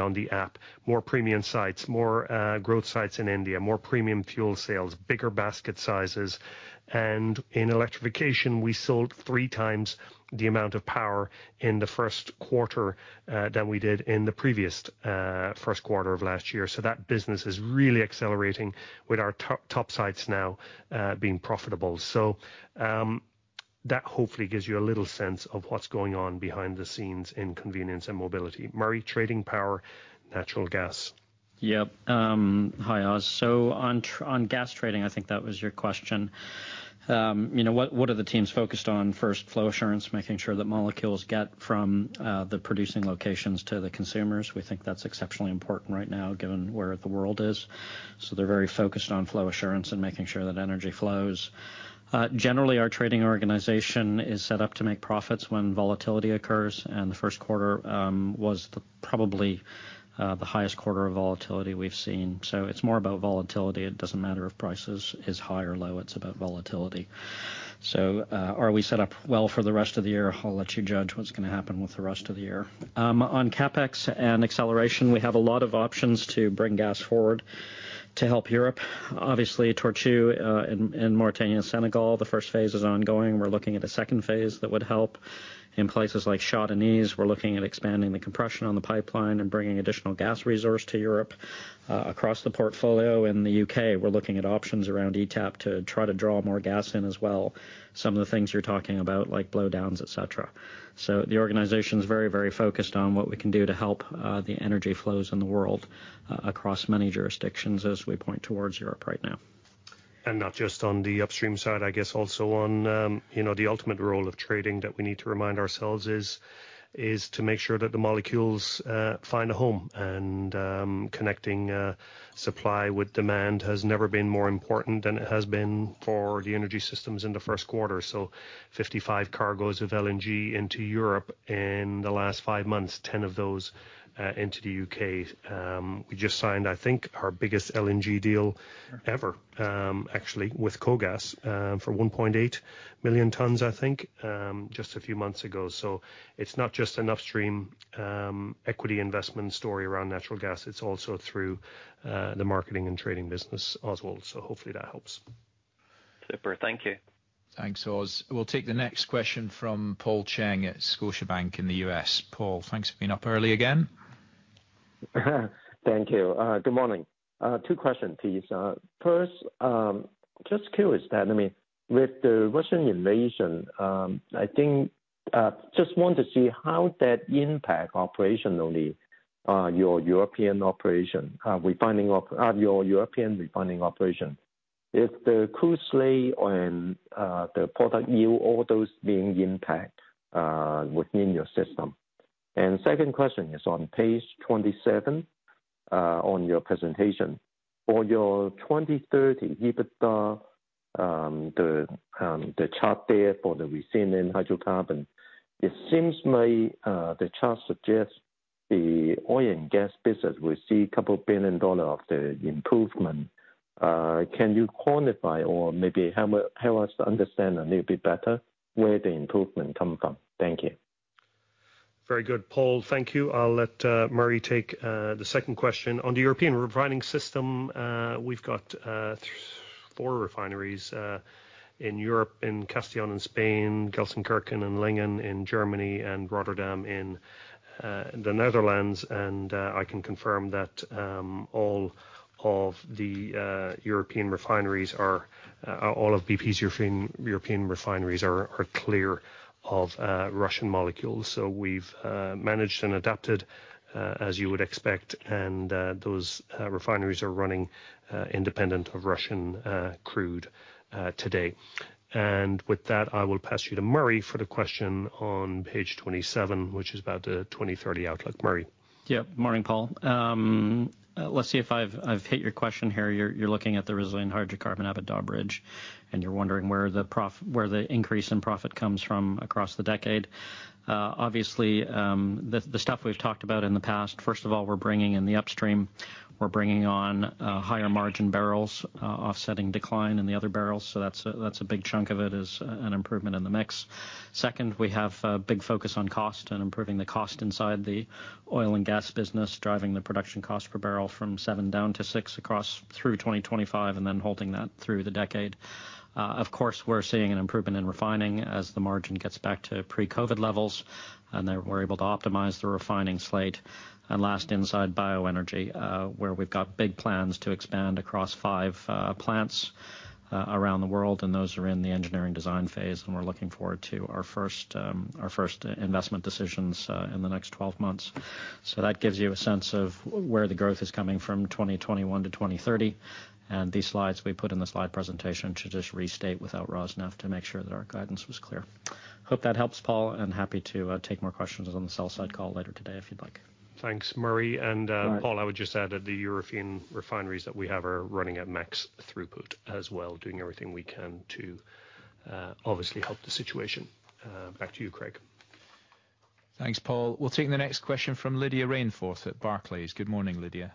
C: on the app. More premium sites, more growth sites in India, more premium fuel sales, bigger basket sizes. In electrification, we sold three times the amount of power in the Q1 than we did in the previous Q1 of last year. That business is really accelerating with our top sites now being profitable. That hopefully gives you a little sense of what's going on behind the scenes in convenience and mobility. Murray, trading power, natural gas.
D: Yep. Hi, Oz. On gas trading, I think that was your question. You know, what are the teams focused on? First, flow assurance, making sure that molecules get from the producing locations to the consumers. We think that's exceptionally important right now, given where the world is. They're very focused on flow assurance and making sure that energy flows. Generally, our trading organization is set up to make profits when volatility occurs, and the Q1 was probably the highest quarter of volatility we've seen. It's more about volatility. It doesn't matter if prices is high or low, it's about volatility. Are we set up well for the rest of the year? I'll let you judge what's gonna happen with the rest of the year. On CapEx and acceleration, we have a lot of options to bring gas forward to help Europe. Obviously, Tortue in Mauritania, Senegal, the first phase is ongoing. We're looking at a second phase that would help. In places like Shah Deniz, we're looking at expanding the compression on the pipeline and bringing additional gas resource to Europe. Across the portfolio in the U.K., we're looking at options around ETAP to try to draw more gas in as well. Some of the things you're talking about, like blowdowns, et cetera. The organization is very, very focused on what we can do to help the energy flows in the world across many jurisdictions as we point towards Europe right now.
C: Not just on the upstream side, I guess also on, you know, the ultimate role of trading that we need to remind ourselves is to make sure that the molecules find a home. Connecting supply with demand has never been more important than it has been for the energy systems in the Q1. 55 cargoes of LNG into Europe in the last five months, 10 of those into the U.K. We just signed, I think, our biggest LNG deal ever, actually with KOGAS for 1.8 million tons, I think, just a few months ago. It's not just an upstream equity investment story around natural gas, it's also through the marketing and trading business as well. Hopefully that helps.
K: Super. Thank you.
B: Thanks, Oz. We'll take the next question from Paul Cheng at Scotiabank in the US. Paul, thanks for being up early again.
L: Thank you. Good morning. Two questions, please. First, just curious that, I mean, with the Russian invasion, I think, just want to see how that impact operationally, your European operation. Your European refining operation. If the crude slate and, the product yield, all those being impact, within your system. Second question is on page 27, on your presentation. For your 2030 EBITDA, the chart there for the resilient hydrocarbon, it seems may, the chart suggests the oil and gas business will see a couple billion dollars of the improvement. Can you quantify or maybe help us to understand a little bit better where the improvement come from? Thank you.
C: Very good, Paul. Thank you. I'll let Murray take the second question. On the European refining system, we've got four refineries in Europe, in Castellón in Spain, Gelsenkirchen and Lingen in Germany, and Rotterdam in the Netherlands. I can confirm that all of the European refineries are all of BP's European refineries are clear of Russian molecules. We've managed and adapted as you would expect, and those refineries are running independent of Russian crude today. With that, I will pass you to Murray for the question on page 27, which is about the 2030 outlook. Murray.
D: Yeah. Morning, Paul. Let's see if I've hit your question here. You're looking at the resilient hydrocarbon EBITDA bridge, and you're wondering where the increase in profit comes from across the decade. Obviously, the stuff we've talked about in the past, first of all, we're bringing in the upstream. We're bringing on higher margin barrels, offsetting decline in the other barrels. So that's a big chunk of it is an improvement in the mix. Second, we have a big focus on cost and improving the cost inside the oil and gas business, driving the production cost per barrel from seven down to six across through 2025 and then holding that through the decade. Of course, we're seeing an improvement in refining as the margin gets back to pre-COVID levels, and then we're able to optimize the refining slate. Last, inside bioenergy, where we've got big plans to expand across five plants around the world, and those are in the engineering design phase, and we're looking forward to our first investment decisions in the next 12 months. That gives you a sense of where the growth is coming from 2021-2030. These slides we put in the slide presentation to just restate without Rosneft to make sure that our guidance was clear. Hope that helps, Paul, and happy to take more questions on the sell-side call later today if you'd like.
C: Thanks, Murray.
L: All right.
C: Paul, I would just add that the European refineries that we have are running at max throughput as well, doing everything we can to obviously help the situation. Back to you, Craig.
B: Thanks, Paul. We'll take the next question from Lydia Rainforth at Barclays. Good morning, Lydia.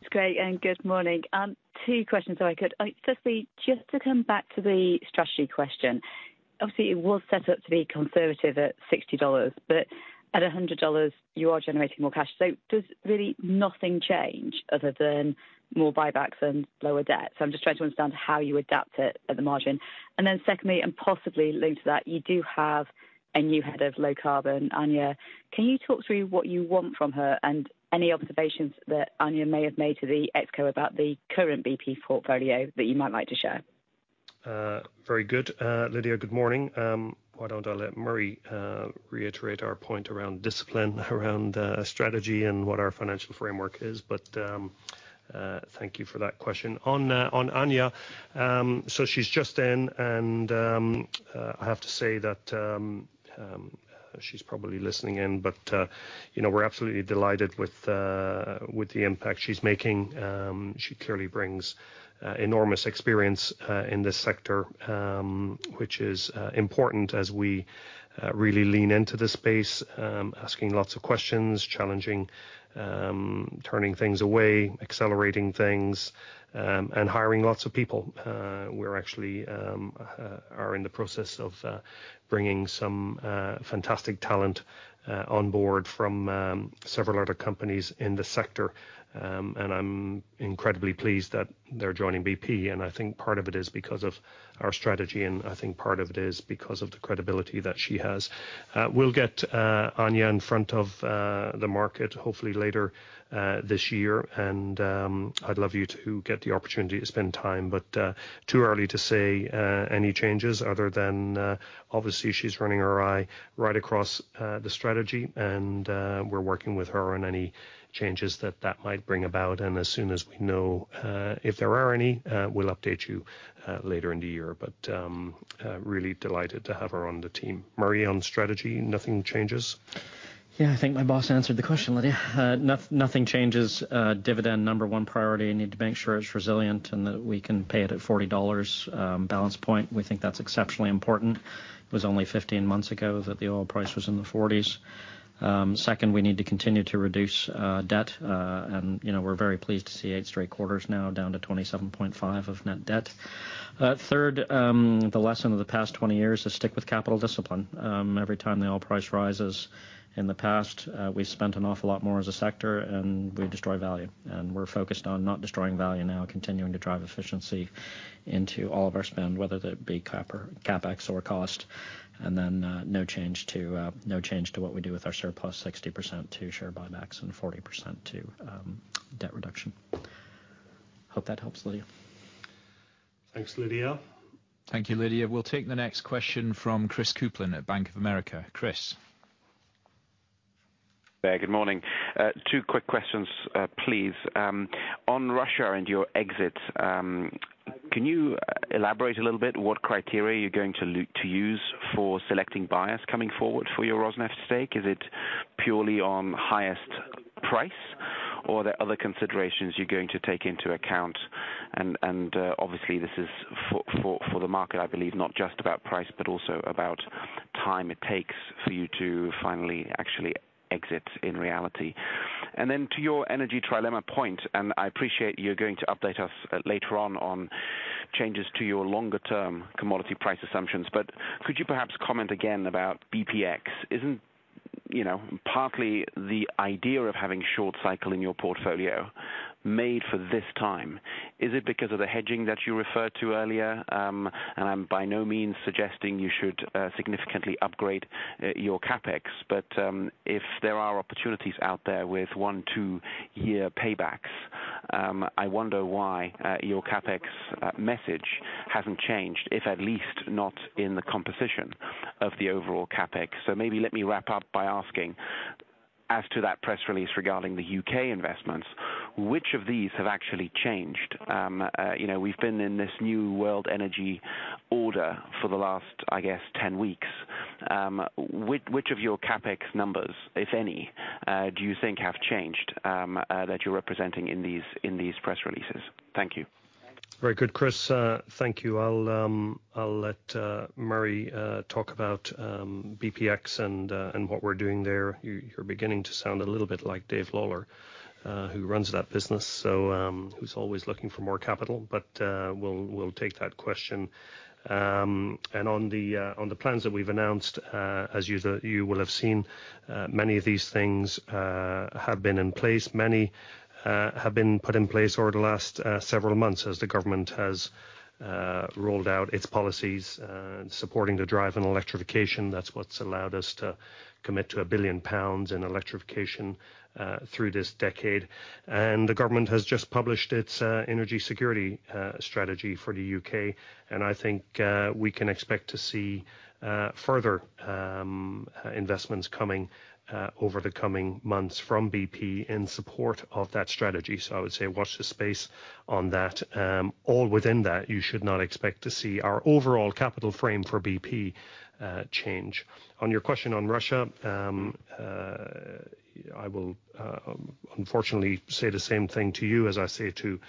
M: It's great. Good morning. Two questions if I could. Firstly, just to come back to the strategy question. Obviously, it was set up to be conservative at $60, but at $100, you are generating more cash. Does really nothing change other than more buybacks and lower debt? I'm just trying to understand how you adapt it at the margin. Secondly, and possibly linked to that, you do have a new head of low carbon, Anja. Can you talk through what you want from her and any observations that Anja may have made to the ExCo about the current BP portfolio that you might like to share?
C: Very good. Lydia, good morning. Why don't I let Murray reiterate our point around discipline, around strategy and what our financial framework is. Thank you for that question. On Anja, she's just in and I have to say that she's probably listening in, but you know, we're absolutely delighted with the impact she's making. She clearly brings enormous experience in this sector, which is important as we really lean into this space, asking lots of questions, challenging, turning things away, accelerating things, and hiring lots of people. We're actually in the process of bringing some fantastic talent on board from several other companies in the sector. I'm incredibly pleased that they're joining BP, and I think part of it is because of our strategy, and I think part of it is because of the credibility that she has. We'll get Anya in front of the market hopefully later this year, and I'd love you to get the opportunity to spend time, but too early to say any changes other than obviously she's running her eye right across the strategy, and we're working with her on any changes that might bring about. As soon as we know if there are any, we'll update you later in the year. Really delighted to have her on the team. Murray, on strategy, nothing changes?
D: Yeah, I think my boss answered the question, Lydia. Nothing changes, dividend number one priority. I need to make sure it's resilient and that we can pay it at $40 balance point. We think that's exceptionally important. It was only 15 months ago that the oil price was in the 40s. Second, we need to continue to reduce debt. You know, we're very pleased to see eight straight quarters now down to $27.5 billion of net debt. Third, the lesson of the past 20 years is stick with capital discipline. Every time the oil price rises in the past, we spent an awful lot more as a sector, and we destroy value. We're focused on not destroying value now, continuing to drive efficiency into all of our spend, whether that be CapEx or cost, and then no change to what we do with our surplus 60% to share buybacks and 40% to debt reduction. Hope that helps, Lydia.
C: Thanks, Lydia.
B: Thank you, Lydia. We'll take the next question from Christopher Kuplent at Bank of America. Chris.
N: Yeah, good morning. Two quick questions, please. On Russia and your exit, can you elaborate a little bit what criteria you're going to use for selecting buyers coming forward for your Rosneft stake? Is it purely on highest price or there are other considerations you're going to take into account and obviously this is for the market, I believe, not just about price, but also about time it takes for you to finally actually exit in reality. To your energy trilemma point, I appreciate you're going to update us later on changes to your longer term commodity price assumptions. Could you perhaps comment again about BPX? Isn't, you know, partly the idea of having short cycle in your portfolio made for this time? Is it because of the hedging that you referred to earlier? I'm by no means suggesting you should significantly upgrade your CapEx. If there are opportunities out there with one-two year paybacks, I wonder why your CapEx message hasn't changed, if at least not in the composition of the overall CapEx. Maybe let me wrap up by asking as to that press release regarding the U.K. investments, which of these have actually changed? You know, we've been in this new world energy order for the last, I guess, 10 weeks. Which of your CapEx numbers, if any, do you think have changed that you're representing in these press releases? Thank you.
C: Very good, Chris. Thank you. I'll let Murray talk about BPX and what we're doing there. You're beginning to sound a little bit like Dave Lawler, who runs that business. Who's always looking for more capital. We'll take that question. On the plans that we've announced, as you will have seen, many of these things have been in place. Many have been put in place over the last several months as the government has rolled out its policies supporting the drive in electrification. That's what's allowed us to commit to 1 billion pounds in electrification through this decade. The government has just published its energy security strategy for the U.K. I think we can expect to see further investments coming over the coming months from BP in support of that strategy. I would say watch this space on that. All within that, you should not expect to see our overall capital frame for BP change. On your question on Russia, I will unfortunately say the same thing to you as I say to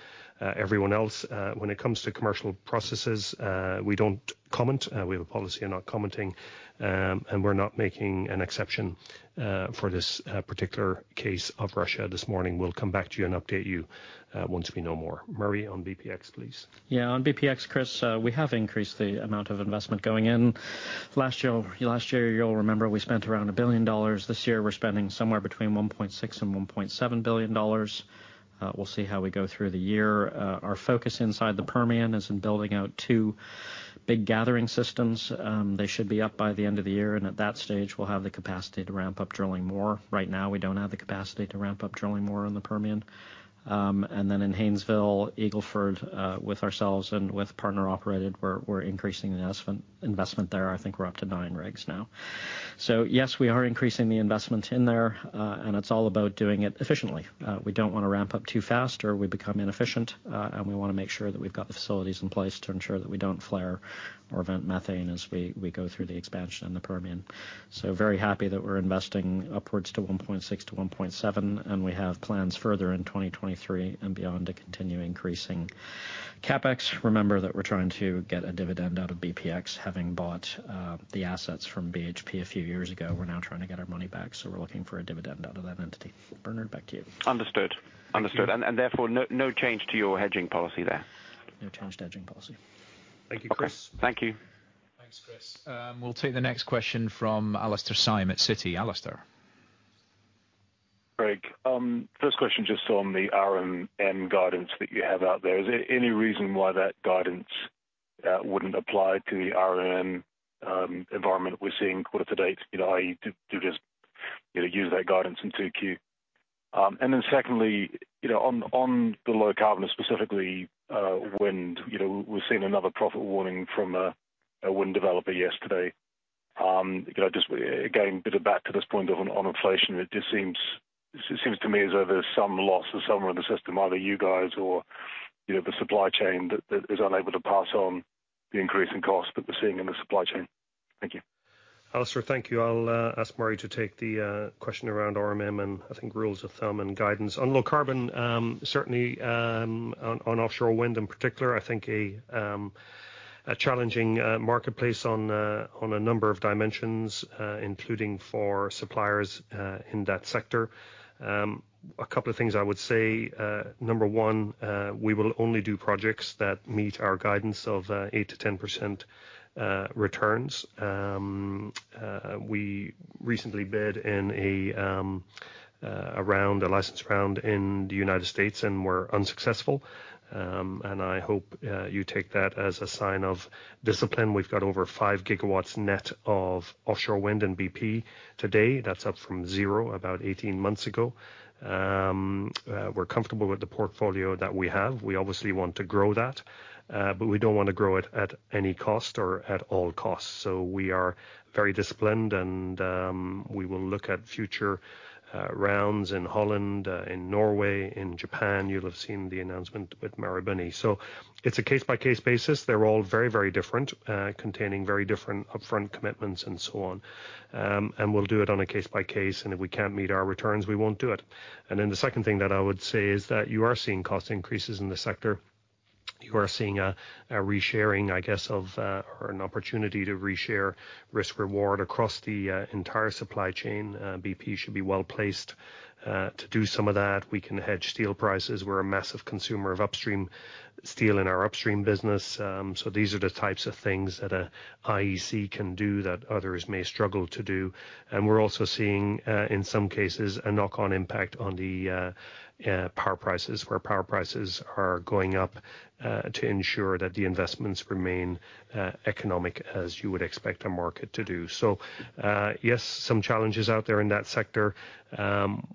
C: everyone else. When it comes to commercial processes, we don't comment. We have a policy on not commenting, and we're not making an exception for this particular case of Russia this morning. We'll come back to you and update you once we know more. Murray on BPX, please.
D: Yeah, on BPX, Chris, we have increased the amount of investment going in. Last year you'll remember we spent around $1 billion. This year we're spending somewhere between $1.6 billion and $1.7 billion. We'll see how we go through the year. Our focus inside the Permian is in building out two big gathering systems. They should be up by the end of the year, and at that stage, we'll have the capacity to ramp up drilling more. Right now, we don't have the capacity to ramp up drilling more in the Permian. In Haynesville, Eagle Ford, with ourselves and with partner operated, we're increasing the investment there. I think we're up to nine rigs now. Yes, we are increasing the investment in there, and it's all about doing it efficiently. We don't wanna ramp up too fast or we become inefficient, and we wanna make sure that we've got the facilities in place to ensure that we don't flare or vent methane as we go through the expansion in the Permian. Very happy that we're investing upwards to 1.6x-1.7x, and we have plans further in 2023 and beyond to continue increasing CapEx. Remember that we're trying to get a dividend out of BPX, having bought the assets from BHP a few years ago. We're now trying to get our money back, so we're looking for a dividend out of that entity. Bernard, back to you.
N: Understood.
D: Thank you.
N: Therefore no change to your hedging policy there.
D: No change to hedging policy.
C: Thank you, Chris.
N: Okay. Thank you.
B: Thanks, Chris. We'll take the next question from Alastair Syme at Citi. Alastair.
O: Great. First question, just on the RMM guidance that you have out there. Is there any reason why that guidance wouldn't apply to the RMM environment we're seeing quarter to date? You know, i.e., do you just, you know, use that guidance in 2Q? And then secondly, you know, on the low carbon, specifically, wind, you know, we're seeing another profit warning from a wind developer yesterday. You know, just again, a bit of back to this point on inflation, it just seems to me as though there's some loss of somewhere in the system, either you guys or you know, the supply chain that is unable to pass on the increase in cost that we're seeing in the supply chain. Thank you.
C: Alastair, thank you. I'll ask Murray to take the question around RMM and I think rules of thumb and guidance. On low carbon, certainly, on offshore wind in particular, I think a challenging marketplace on a number of dimensions, including for suppliers in that sector. A couple of things I would say, number one, we will only do projects that meet our guidance of 8%-10% returns. We recently bid in a round, a license round in the United States and were unsuccessful. I hope you take that as a sign of discipline. We've got over 5 GW net of offshore wind in BP today. That's up from zero about 18 months ago. We're comfortable with the portfolio that we have. We obviously want to grow that, but we don't want to grow it at any cost or at all costs. We are very disciplined and we will look at future rounds in Holland in Norway in Japan. You'll have seen the announcement with Marubeni. It's a case-by-case basis. They're all very, very different, containing very different upfront commitments and so on. We'll do it on a case by case, and if we can't meet our returns, we won't do it. The second thing that I would say is that you are seeing cost increases in the sector. You are seeing a re-sharing, I guess, of or an opportunity to re-share risk reward across the entire supply chain. BP should be well placed to do some of that. We can hedge steel prices. We're a massive consumer of upstream steel in our upstream business. These are the types of things that an IEC can do that others may struggle to do. We're also seeing, in some cases, a knock-on impact on the power prices, where power prices are going up to ensure that the investments remain economic, as you would expect a market to do. Yes, some challenges out there in that sector,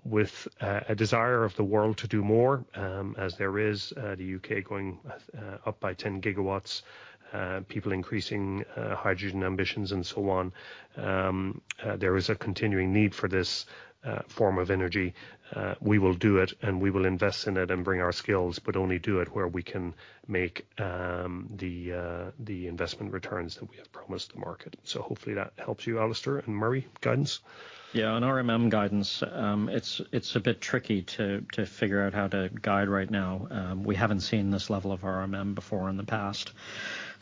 C: with a desire of the world to do more, as there is the U.K. going up by 10 GW, people increasing hydrogen ambitions and so on. There is a continuing need for this form of energy. We will do it, and we will invest in it and bring our skills, but only do it where we can make the investment returns that we have promised the market. Hopefully that helps you, Alastair. Murray, guidance?
D: Yeah, on RMM guidance, it's a bit tricky to figure out how to guide right now. We haven't seen this level of RMM before in the past.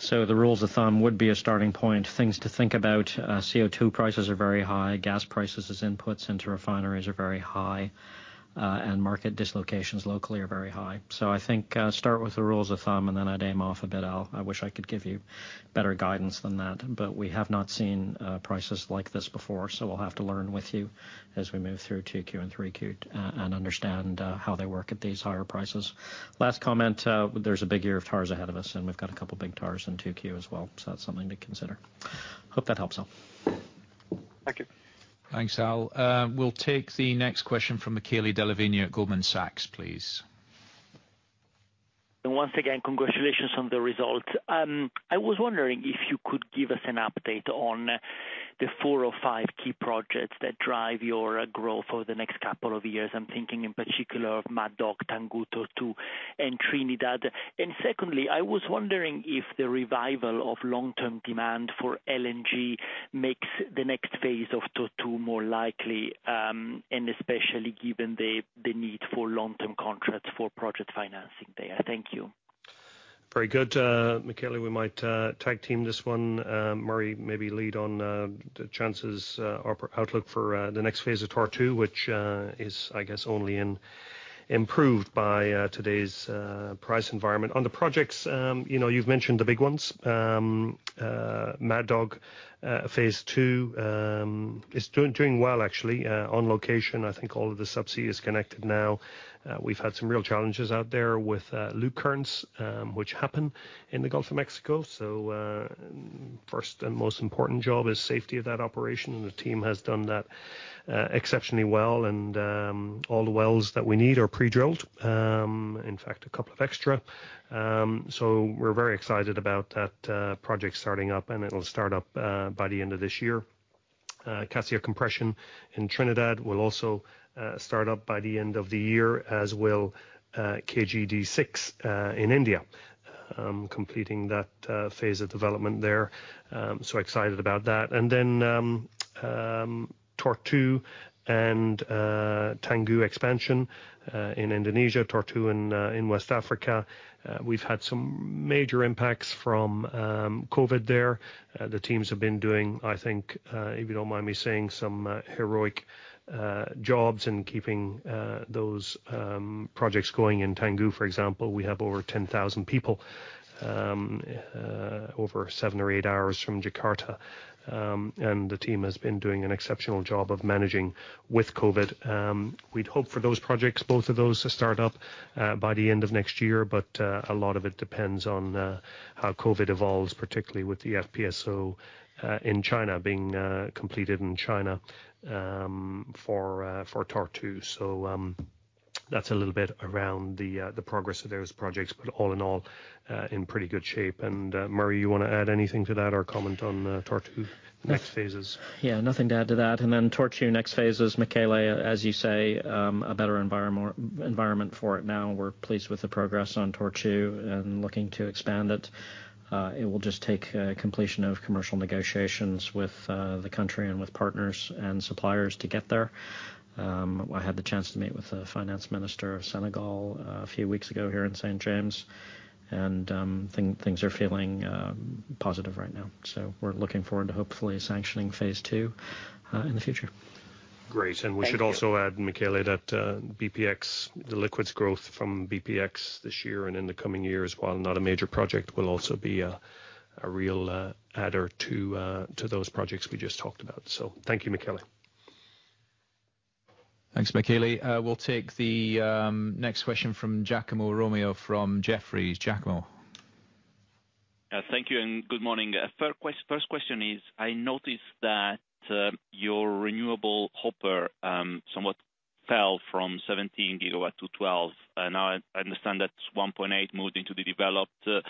D: The rules of thumb would be a starting point. Things to think about, CO2 prices are very high. Gas prices as inputs into refineries are very high. Market dislocations locally are very high. I think, start with the rules of thumb, and then I'd aim off a bit, Al. I wish I could give you better guidance than that. We have not seen prices like this before, so we'll have to learn with you as we move through 2Q and 3Q, and understand how they work at these higher prices. Last comment, there's a big year of TARS ahead of us, and we've got a couple big TARS in 2Q as well, so that's something to consider. Hope that helps, Al.
O: Thank you.
C: Thanks, Al. We'll take the next question from Michele Della Vigna at Goldman Sachs, please.
P: Once again, congratulations on the results. I was wondering if you could give us an update on the four or five key projects that drive your growth for the next couple of years. I'm thinking in particular of Mad Dog, Tangguh two, and Trinidad. Secondly, I was wondering if the revival of long-term demand for LNG makes the next phase of Tortue more likely, and especially given the need for long-term contracts for project financing there. Thank you.
C: Very good. Michele, we might tag team this one. Murray, maybe lead on the chances or outlook for the next phase of Tortue, which is, I guess, only improved by today's price environment. On the projects, you know, you've mentioned the big ones. Mad Dog phase II is doing well, actually, on location. I think all of the subsea is connected now. We've had some real challenges out there with loop currents, which happen in the Gulf of Mexico. First and most important job is safety of that operation. The team has done that exceptionally well and all the wells that we need are pre-drilled. In fact, a couple of extra. We're very excited about that project starting up, and it'll start up by the end of this year. Cassia Compression in Trinidad will also start up by the end of the year, as will KG D6 in India, completing that phase of development there. Excited about that. Tortue and Tangguh expansion in Indonesia, Tortue in West Africa. We've had some major impacts from COVID there. The teams have been doing, I think, if you don't mind me saying, some heroic jobs in keeping those projects going. In Tangguh, for example, we have over 10,000 people over seven or eight hours from Jakarta. The team has been doing an exceptional job of managing with COVID. We'd hope for those projects, both of those to start up by the end of next year. A lot of it depends on how COVID evolves, particularly with the FPSO in China being completed in China for Tortue. That's a little bit around the progress of those projects. All in all, in pretty good shape. Murray, you wanna add anything to that, or comment on Tortue next phases?
D: Yeah, nothing to add to that. Tortue next phases, Michele, as you say, a better environment for it now. We're pleased with the progress on Tortue and looking to expand it. It will just take completion of commercial negotiations with the country and with partners and suppliers to get there. I had the chance to meet with the finance minister of Senegal a few weeks ago here in St. James, and things are feeling positive right now. We're looking forward to hopefully sanctioning phase two in the future.
C: Great.
P: Thank you.
C: We should also add, Michele, that BPX, the liquids growth from BPX this year and in the coming years, while not a major project, will also be a real adder to those projects we just talked about. Thank you, Michele.
B: Thanks, Michele. We'll take the next question from Giacomo Romeo from Jefferies. Giacomo.
Q: Thank you and good morning. First question is I noticed that your renewable hopper somewhat fell from 17 GW-12 GW. I understand that 1.8 moved into the developed plus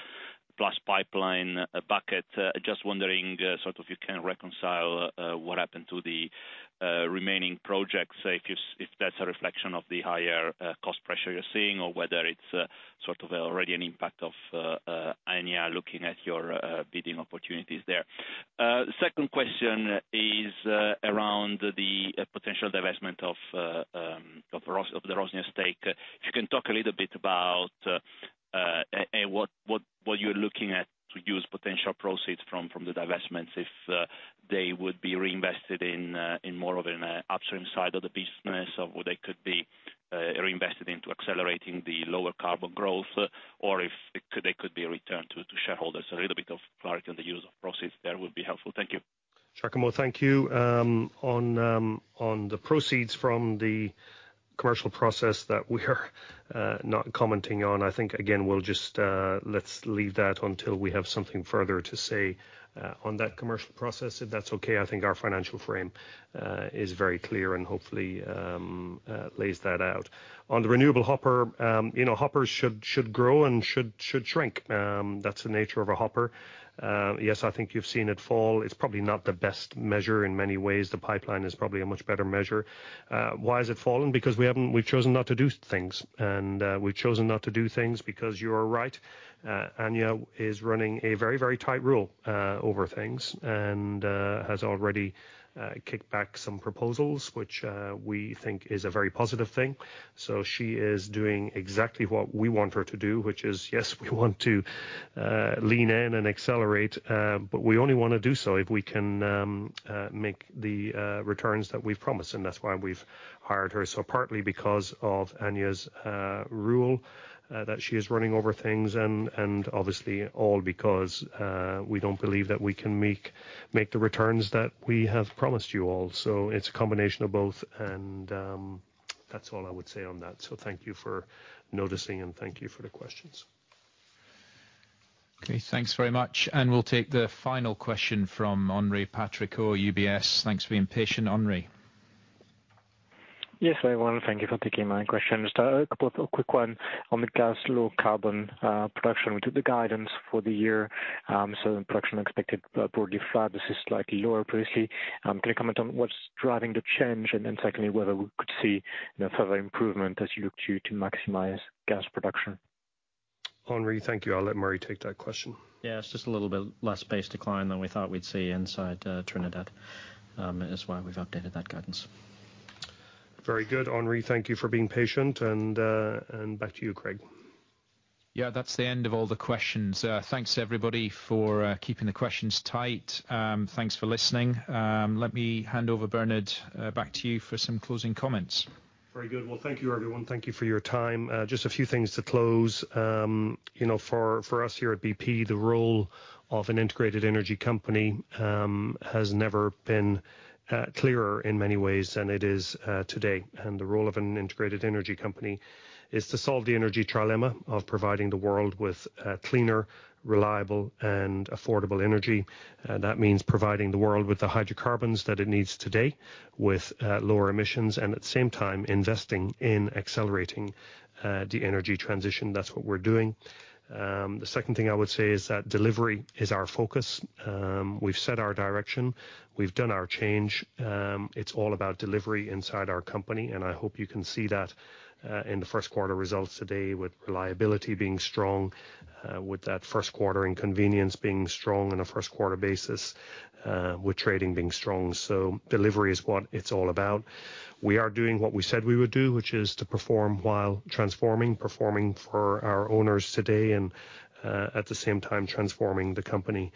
Q: pipeline bucket. Just wondering, sort of, you can reconcile what happened to the remaining projects if that's a reflection of the higher cost pressure you're seeing, or whether it's sort of already an impact of Anya looking at your bidding opportunities there. Second question is around the potential divestment of the Rosneft stake. If you can talk a little bit about and what you're looking at to use potential proceeds from the divestments, if they would be reinvested in more of an upstream side of the business, or they could be reinvested into accelerating the lower carbon growth, or if it could, they could be returned to shareholders. A little bit of clarity on the use of proceeds there would be helpful. Thank you.
C: Giacomo, thank you. On the proceeds from the commercial process that we are not commenting on, I think again we'll just let's leave that until we have something further to say on that commercial process, if that's okay. I think our financial frame is very clear and hopefully lays that out. On the renewable hopper, you know, hoppers should grow and should shrink. That's the nature of a hopper. Yes, I think you've seen it fall. It's probably not the best measure in many ways. The pipeline is probably a much better measure. Why has it fallen? Because we've chosen not to do things. We've chosen not to do things because you are right, Anya is running a very, very tight rule over things and has already kicked back some proposals, which we think is a very positive thing. She is doing exactly what we want her to do, which is, yes, we want to lean in and accelerate, but we only wanna do so if we can make the returns that we've promised, and that's why we've hired her. Partly because of Anya's rule that she is running over things and obviously all because we don't believe that we can make the returns that we have promised you all. It's a combination of both and that's all I would say on that. Thank you for noticing, and thank you for the questions.
B: Okay. Thanks very much. We'll take the final question from Henri Patricot, UBS. Thanks for being patient. Henri.
R: Yes, everyone. Thank you for taking my question. Just a couple of quick one on the gas low carbon production. We took the guidance for the year, so the production expected broadly flat versus slightly lower previously. Can you comment on what's driving the change? Then secondly, whether we could see further improvement as you look to maximize gas production.
C: Henri, thank you. I'll let Murray take that question.
D: Yeah, it's just a little bit less base decline than we thought we'd see inside Trinidad is why we've updated that guidance.
C: Very good. Henri, thank you for being patient and back to you, Craig.
B: Yeah, that's the end of all the questions. Thanks everybody for keeping the questions tight. Thanks for listening. Let me hand over Bernard back to you for some closing comments.
C: Very good. Well, thank you, everyone. Thank you for your time. Just a few things to close. You know, for us here at BP, the role of an integrated energy company has never been clearer in many ways than it is today. The role of an integrated energy company is to solve the energy trilemma of providing the world with cleaner, reliable, and affordable energy. That means providing the world with the hydrocarbons that it needs today with lower emissions, and at the same time investing in accelerating the energy transition. That's what we're doing. The second thing I would say is that delivery is our focus. We've set our direction. We've done our change. It's all about delivery inside our company, and I hope you can see that, in the Q1 results today with reliability being strong, with that Q1 inconvenience being strong on a Q1 basis, with trading being strong. Delivery is what it's all about. We are doing what we said we would do, which is to perform while transforming, performing for our owners today and, at the same time transforming the company,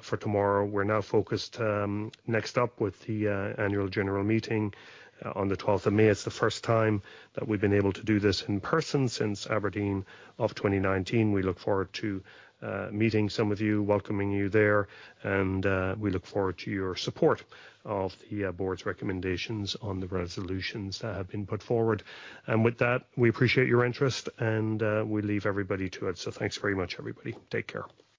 C: for tomorrow. We're now focused, next up with the annual general meeting, on the twelfth of May. It's the first time that we've been able to do this in person since Aberdeen of 2019. We look forward to meeting some of you, welcoming you there, and we look forward to your support of the board's recommendations on the resolutions that have been put forward. With that, we appreciate your interest and we leave everybody to it. Thanks very much, everybody. Take care.